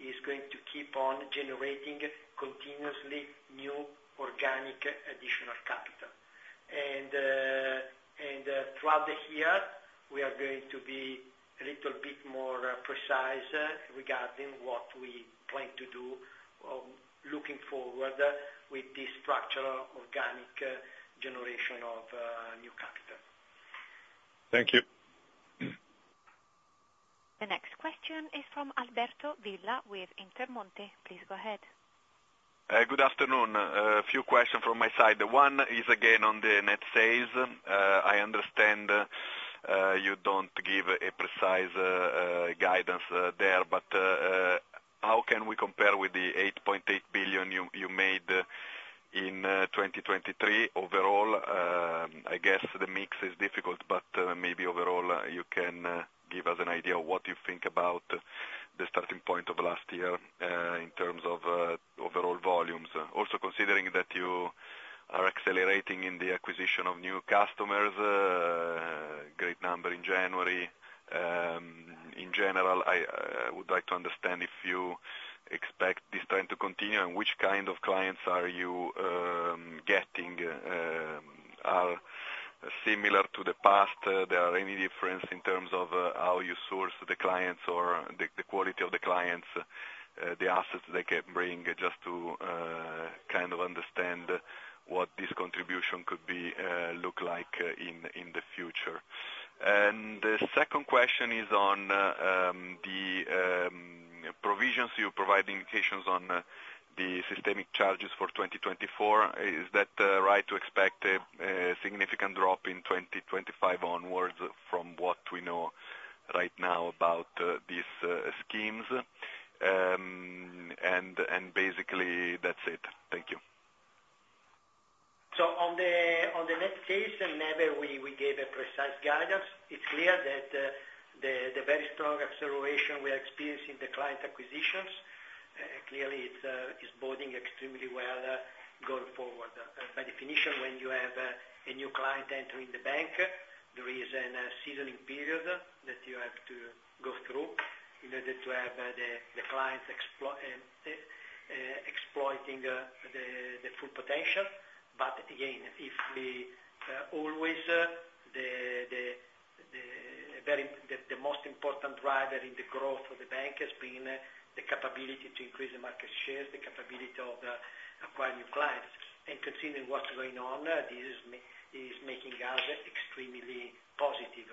is going to keep on generating continuously new organic additional capital. Throughout the year, we are going to be a little bit more precise regarding what we plan to do, looking forward with this structural organic generation of new capital. Thank you. The next question is from Alberto Villa, with Intermonte. Please go ahead. Good afternoon. A few questions from my side. One is, again, on the net sales. I understand you don't give a precise guidance there, but how can we compare with the 8.8 billion you made in 2023 overall? I guess the mix is difficult, but maybe overall you can give us an idea of what you think about the starting point of last year in terms of overall volumes. Also, considering that you are accelerating in the acquisition of new customers, great number in January. In general, I would like to understand if you expect this trend to continue, and which kind of clients are you getting? Are similar to the past, there are any difference in terms of, how you source the clients or the quality of the clients, the assets they can bring, just to kind of understand what this contribution could be, look like, in the future. And the second question is on the provisions you provide indications on, the systemic charges for 2024. Is that right to expect a significant drop in 2025 onwards from what we know right now about these schemes? And basically, that's it. Thank you. So on the net case, we never gave a precise guidance. It's clear that the very strong acceleration we are experiencing in the client acquisitions clearly is boding extremely well going forward. By definition, when you have a new client entering the bank, there is a seasoning period that you have to go through in order to have the clients exploiting the full potential. But again, as always, the very most important driver in the growth of the bank has been the capability to increase the market shares, the capability of acquiring new clients. Continuing what's going on, this is making us extremely positive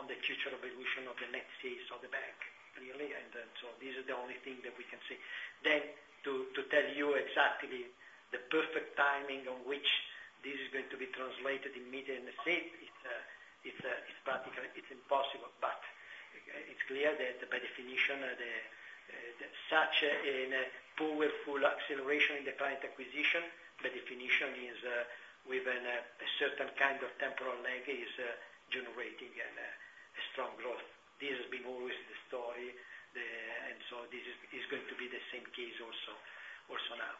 on the future evolution of the next phase of the bank, really, and then, so this is the only thing that we can say. Then, to tell you exactly the perfect timing on which this is going to be translated in immediate shape, it's practically impossible. But, it's clear that by definition, such a powerful acceleration in the client acquisition, by definition, is within a certain kind of temporal lag, generating a strong growth. This has been always the story. And so this is going to be the same case also, also now.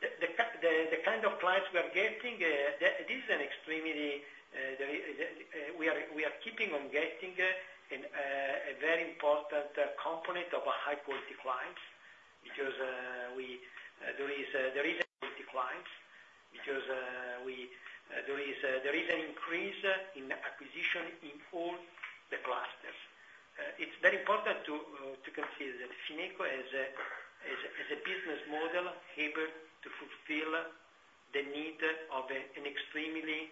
The kind of clients we are getting, this is an extremely, we are keeping on getting a very important component of high-quality clients, because there is clients, because there is an increase in acquisition in all the clusters. It's very important to consider Fineco as a business model, able to fulfill the need of an extremely-...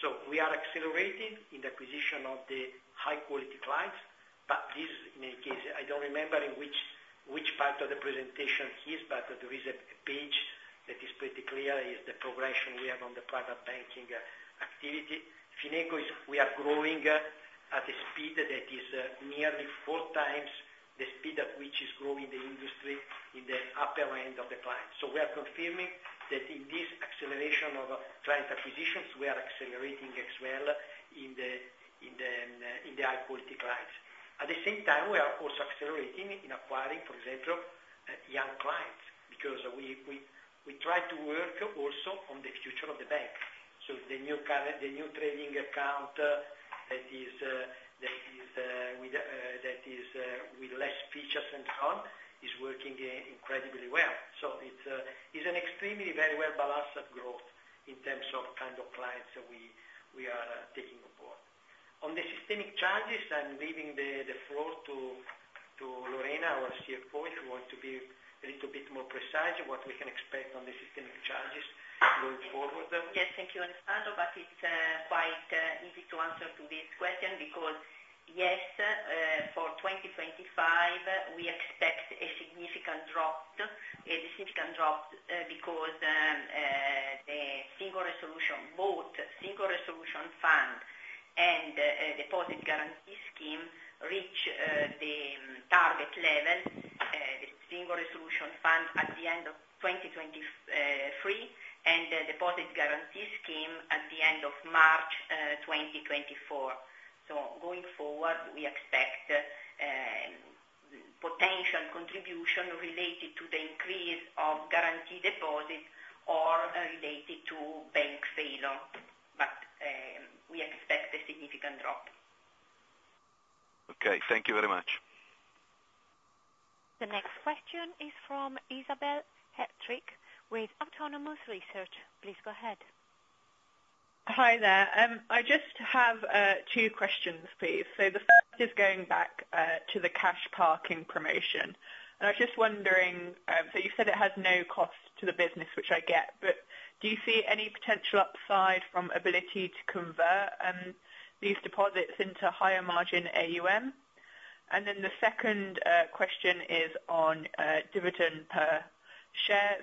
So we are accelerating in the acquisition of the high quality clients, but this, in any case, I don't remember in which part of the presentation is, but there is a page that is pretty clear, is the progression we have on the private banking activity. Fineco is, we are growing at a speed that is nearly four times the speed at which is growing the industry in the upper end of the client. So we are confirming that in this acceleration of client acquisitions, we are accelerating as well in the high quality clients. At the same time, we are also accelerating in acquiring, for example, young clients, because we try to work also on the future of the bank. So the new current, the new trading account that is with less features and so on, is working incredibly well. So it's is an extremely very well balanced growth in terms of kind of clients that we are taking aboard. On the systemic changes, I'm leaving the floor to Lorena, our CFO, if you want to be a little bit more precise on what we can expect on the systemic changes going forward. Yes, thank you, Alessandro, but it's quite easy to answer to this question because, yes, for 2025, we expect a significant drop. A significant drop because the Single Resolution Fund and Deposit Guarantee Scheme reach the target level, the Single Resolution Fund at the end of 2023, and the Deposit Guarantee Scheme at the end of March 2024. So going forward, we expect potential contribution related to the increase of guaranteed deposits or related to bank failure, but we expect a significant drop. Okay, thank you very much. The next question is from Isobel Hettrick with Autonomous Research. Please go ahead. Hi, there. I just have two questions, please. The first is going back to the CashParking promotion, and I was just wondering, so you said it has no cost to the business, which I get, but do you see any potential upside from ability to convert these deposits into higher margin AUM? And then the second question is on dividend per share.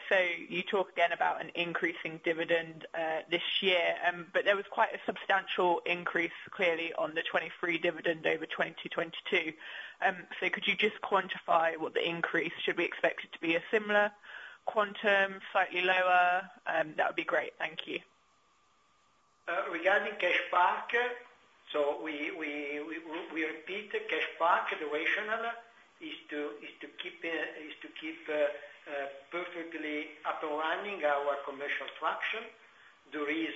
You talk again about an increasing dividend this year, but there was quite a substantial increase clearly on the 2023 dividend over 2022. Could you just quantify what the increase, should we expect it to be a similar quantum, slightly lower? That would be great. Thank you. Regarding CashPark, so we repeat, CashPark, the rationale is to keep perfectly underwriting our commercial traction. There is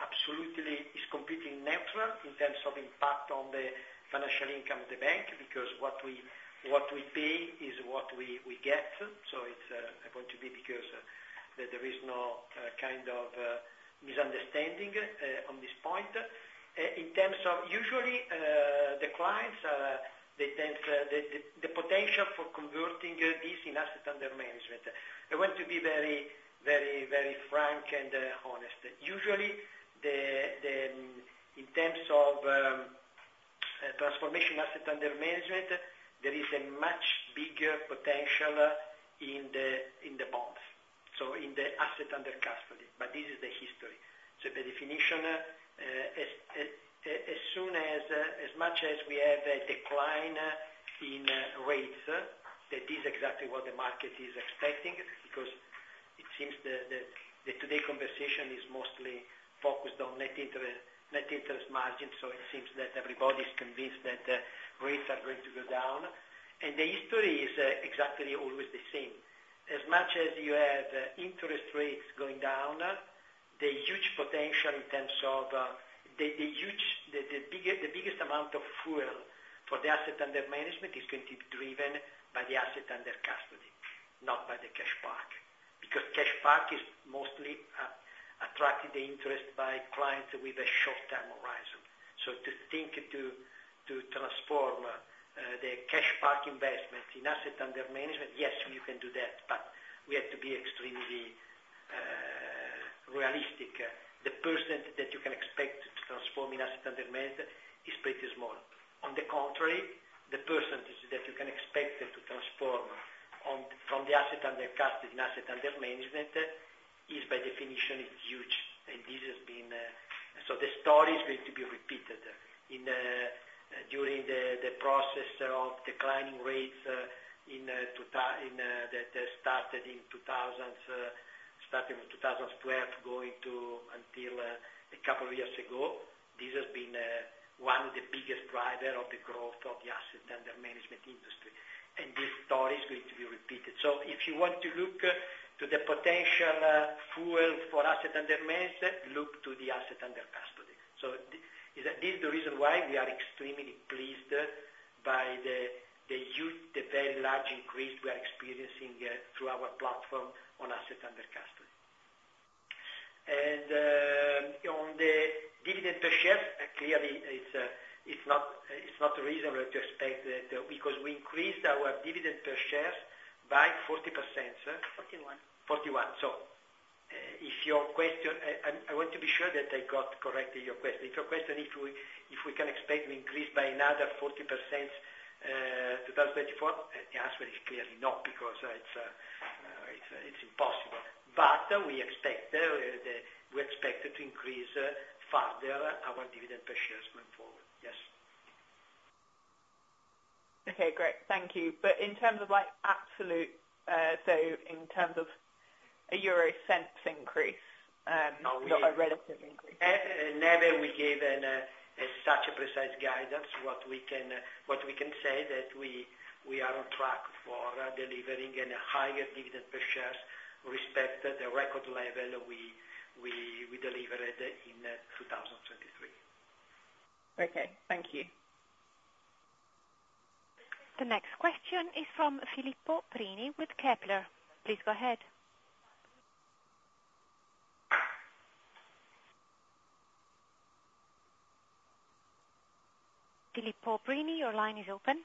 absolutely, it's completely natural in terms of impact on the financial income of the bank, because what we pay is what we get. So it's, I want to be because there is no kind of misunderstanding on this point. In terms of usually, the clients, the terms, the potential for converting this in asset under management. I want to be very, very, very frank and honest. Usually, in terms of transformation asset under management, there is a much bigger potential in the bonds, so in the asset under custody. But this is the history. So the definition, as soon as, as much as we have a decline in rates, that is exactly what the market is expecting, because it seems the today conversation is mostly focused on net interest, net interest margin, so it seems that everybody's convinced that rates are going to go down. And the history is exactly always the same. As much as you have interest rates going down, the huge potential in terms of the huge, the biggest, the biggest amount of fuel for the asset under management is going to be driven by the asset under custody, not by the CashPark. Because CashPark is mostly attracting the interest by clients with a short-term horizon. So to think to transform the CashPark investment in asset under management, yes, you can do that, but we have to be extremely realistic. The percent that you can expect to transform in asset under management is pretty small. On the contrary, the percentage that you can expect to transform on from the asset under custody and asset under management is by definition huge. And this has been. So the story is going to be repeated. During the process of declining rates that started in 2000s starting from 2012 going until a couple of years ago, this has been one of the biggest driver of the growth of the asset under management industry, and this story is going to be repeated. So if you want to look to the potential, fuel for asset under management, look to the asset under custody. So this is the reason why we are extremely pleased by the huge, the very large increase we are experiencing through our platform on asset under custody. And on the dividend per share, clearly, it's not reasonable to expect that, because we increased our dividend per share by 40%, sir? 41 41. So if your question, I want to be sure that I got correctly your question. If your question, if we can expect to increase by another 40%, 2024, the answer is clearly not, because it's impossible. But we expect, we expect to increase further our dividend per shares going forward. Yes. Okay, great. Thank you. But in terms of like absolute, so in terms of a euro cents increase, not a relative increase? Never we gave such a precise guidance. What we can say that we are on track for delivering an higher dividend per shares, respect the record level we delivered in 2023. Okay, thank you. The next question is from Filippo Prini with Kepler. Please go ahead. Filippo Prini, your line is open.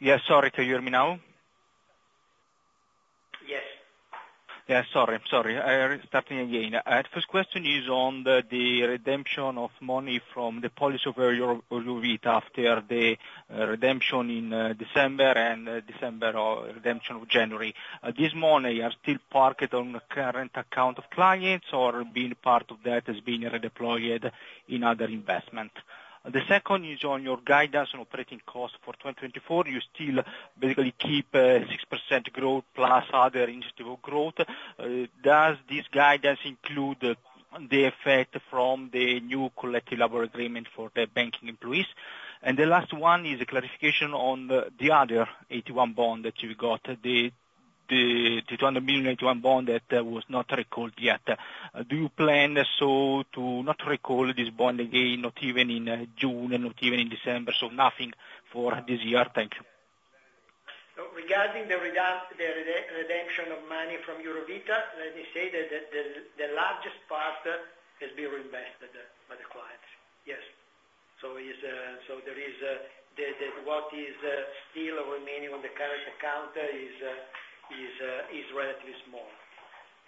Yes. Sorry, can you hear me now? Yes. Yeah, sorry, I'm sorry. I are starting again. First question is on the, the redemption of money from the policy of Eurovita after the, redemption in, December, and December or redemption of January. This money are still parked on the current account of clients, or being part of that has been redeployed in other investment? The second is on your guidance on operating costs for 2024. You still basically keep, 6% growth, plus other interest of growth. Does this guidance include the effect from the new collective labor agreement for the banking employees? And the last one is a clarification on the other AT1 bond that you've got, the, the 200 million AT1 bond that was not recalled yet. Do you plan so to not recall this bond again, not even in June, and not even in December, so nothing for this year? Thank you. So, regarding the redemption of money from Eurovita, let me say that the largest part has been reinvested by the clients. Yes. So, the what is still remaining on the current account is relatively small.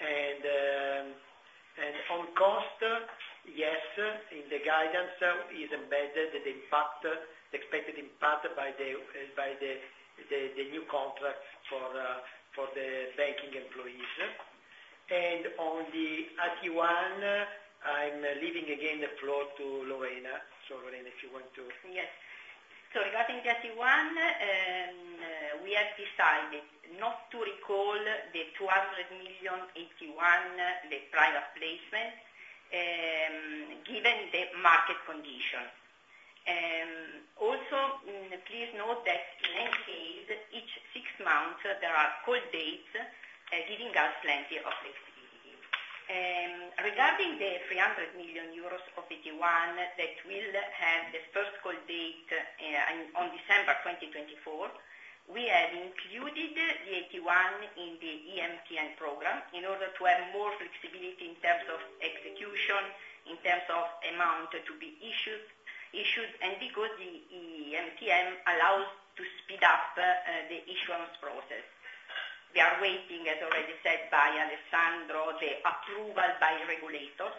And on cost, yes, in the guidance is embedded the impact, the expected impact by the new contract for the banking employees. And on the AT1, I'm leaving again the floor to Lorena. So, Lorena, if you want to- Yes. So regarding the AT1, we have decided not to recall the 200 million AT1, the private placement, given the market condition. Also, please note that in any case, each six months, there are call dates, giving us plenty of flexibility. Regarding the 300 million euros of AT1 that will have the first call date on December 2024, we have included the AT1 in the EMTN program in order to have more flexibility in terms of execution, in terms of amount to be issued, and because the EMTN allows to speed up the issuance process. We are waiting, as already said by Alessandro, the approval by regulators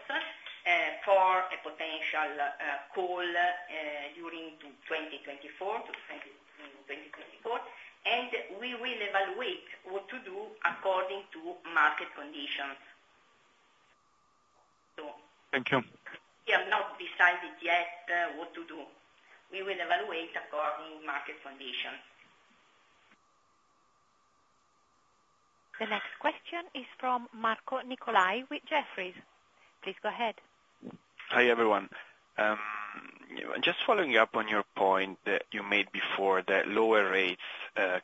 for a potential call during 2024, and we will evaluate what to do according to market conditions. So- Thank you. We have not decided yet, what to do. We will evaluate according to market conditions. The next question is from Marco Nicolai with Jefferies. Please go ahead. Hi, everyone. Just following up on your point that you made before, that lower rates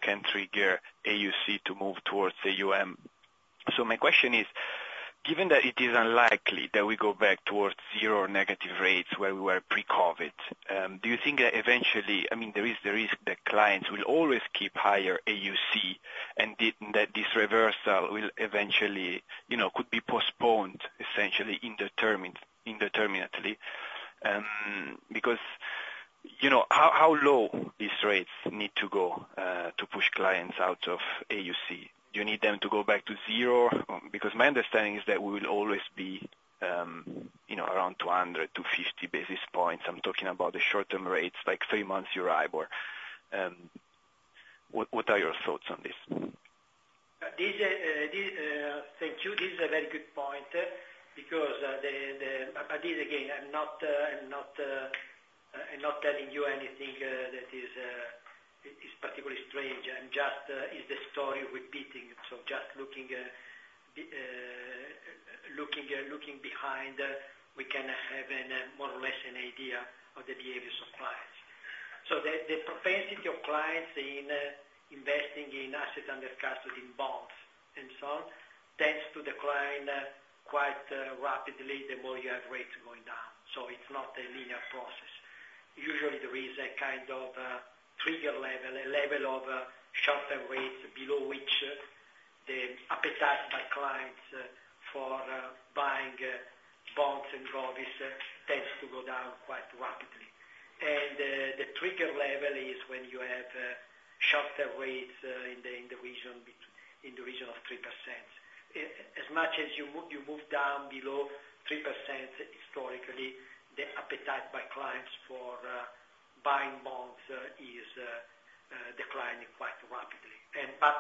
can trigger AUC to move towards AUM. So my question is, given that it is unlikely that we go back towards zero or negative rates where we were pre-COVID, do you think that eventually... I mean, there is the risk that clients will always keep higher AUC, and that this reversal will eventually, you know, could be postponed, essentially, indeterminately. Because, you know, how low these rates need to go to push clients out of AUC? Do you need them to go back to zero? Because my understanding is that we will always be, you know, around 200-50 basis points. I'm talking about the short-term rates, like three-month Euribor. What are your thoughts on this? Thank you. This is a very good point, because but this again, I'm not telling you anything that is particularly strange. I'm just, it's the story repeating. So just looking behind, we can have more or less an idea of the behaviors of clients. So the propensity of clients in investing in assets under custody in bonds, and so on, tends to decline quite rapidly the more you have rates going down. So it's not a linear process. Usually, there is a kind of trigger level, a level of shorter rates, below which the appetite by clients for buying bonds and all this tends to go down quite rapidly. The trigger level is when you have shorter rates in the region of 3%. As much as you move down below 3%, historically, the appetite by clients for buying bonds is declining quite rapidly. But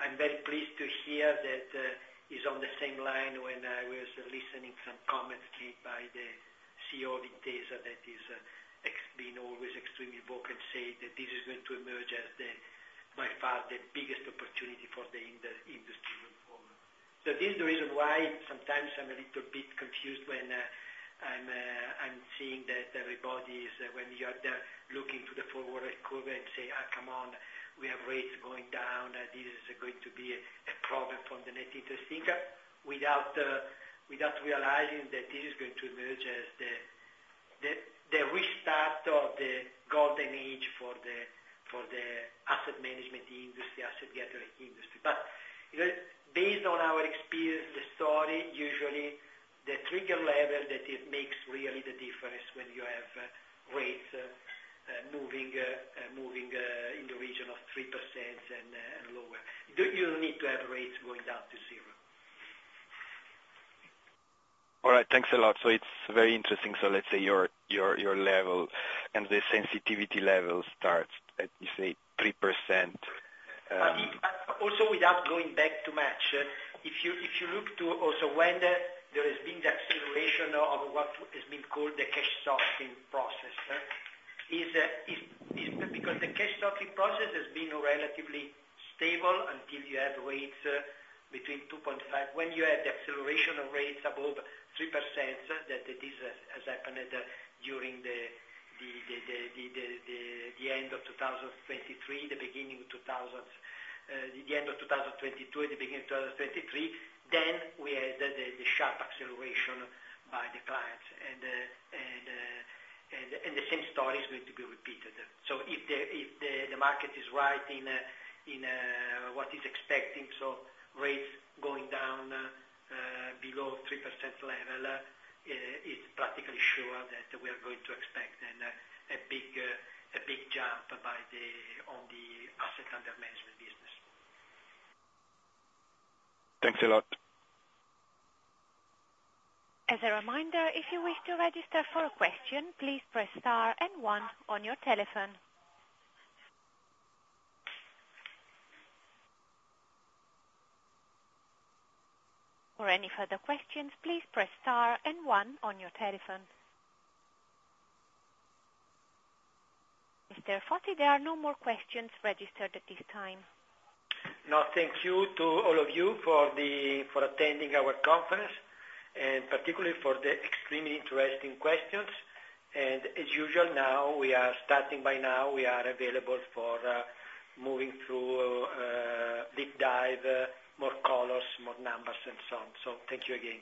I'm very pleased to hear that is on the same line when I was listening some comments made by the CEO of Intesa, that is, has been always extremely vocal, saying that this is going to emerge as the, by far, the biggest opportunity for the industry going forward. So this is the reason why sometimes I'm a little bit confused when I'm seeing that everybody is when you are there looking to the forward curve and say, "Ah, come on, we have rates going down, and this is going to be a, a problem from the net interest income," without realizing that this is going to emerge as the, the, the restart of the golden age for the, for the asset management industry, asset gathering industry. But, you know, based on our experience, the story, usually the trigger level, that it makes really the difference when you have rates moving in the region of 3% and lower. You don't need to have rates going down to zero. All right. Thanks a lot. So it's very interesting. So let's say your level and the sensitivity level starts at, you say, 3%, But also, without going back too much, if you look also when there has been the acceleration of what has been called the cash stocking process, is because the cash stocking process has been relatively stable until you have rates between 2.5%. When you had the acceleration of rates above 3%, that this has happened during the end of 2023, the beginning of 2000, the end of 2022 and the beginning of 2023, then we had the sharp acceleration by the clients. And the same story is going to be repeated. So if the market is right in what is expecting, so rates going down below 3% level, it's practically sure that we are going to expect a big jump in the asset under management business. Thanks a lot. As a reminder, if you wish to register for a question, please press star and one on your telephone. For any further questions, please press star and one on your telephone. Mr. Foti, there are no more questions registered at this time. No, thank you to all of you for attending our conference, and particularly for the extremely interesting questions. As usual, now, we are starting by now, we are available for moving through deep dive, more colors, more numbers, and so on. Thank you again.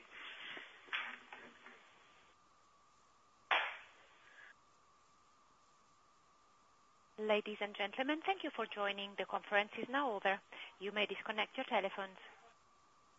Ladies and gentlemen, thank you for joining. The conference is now over. You may disconnect your telephones.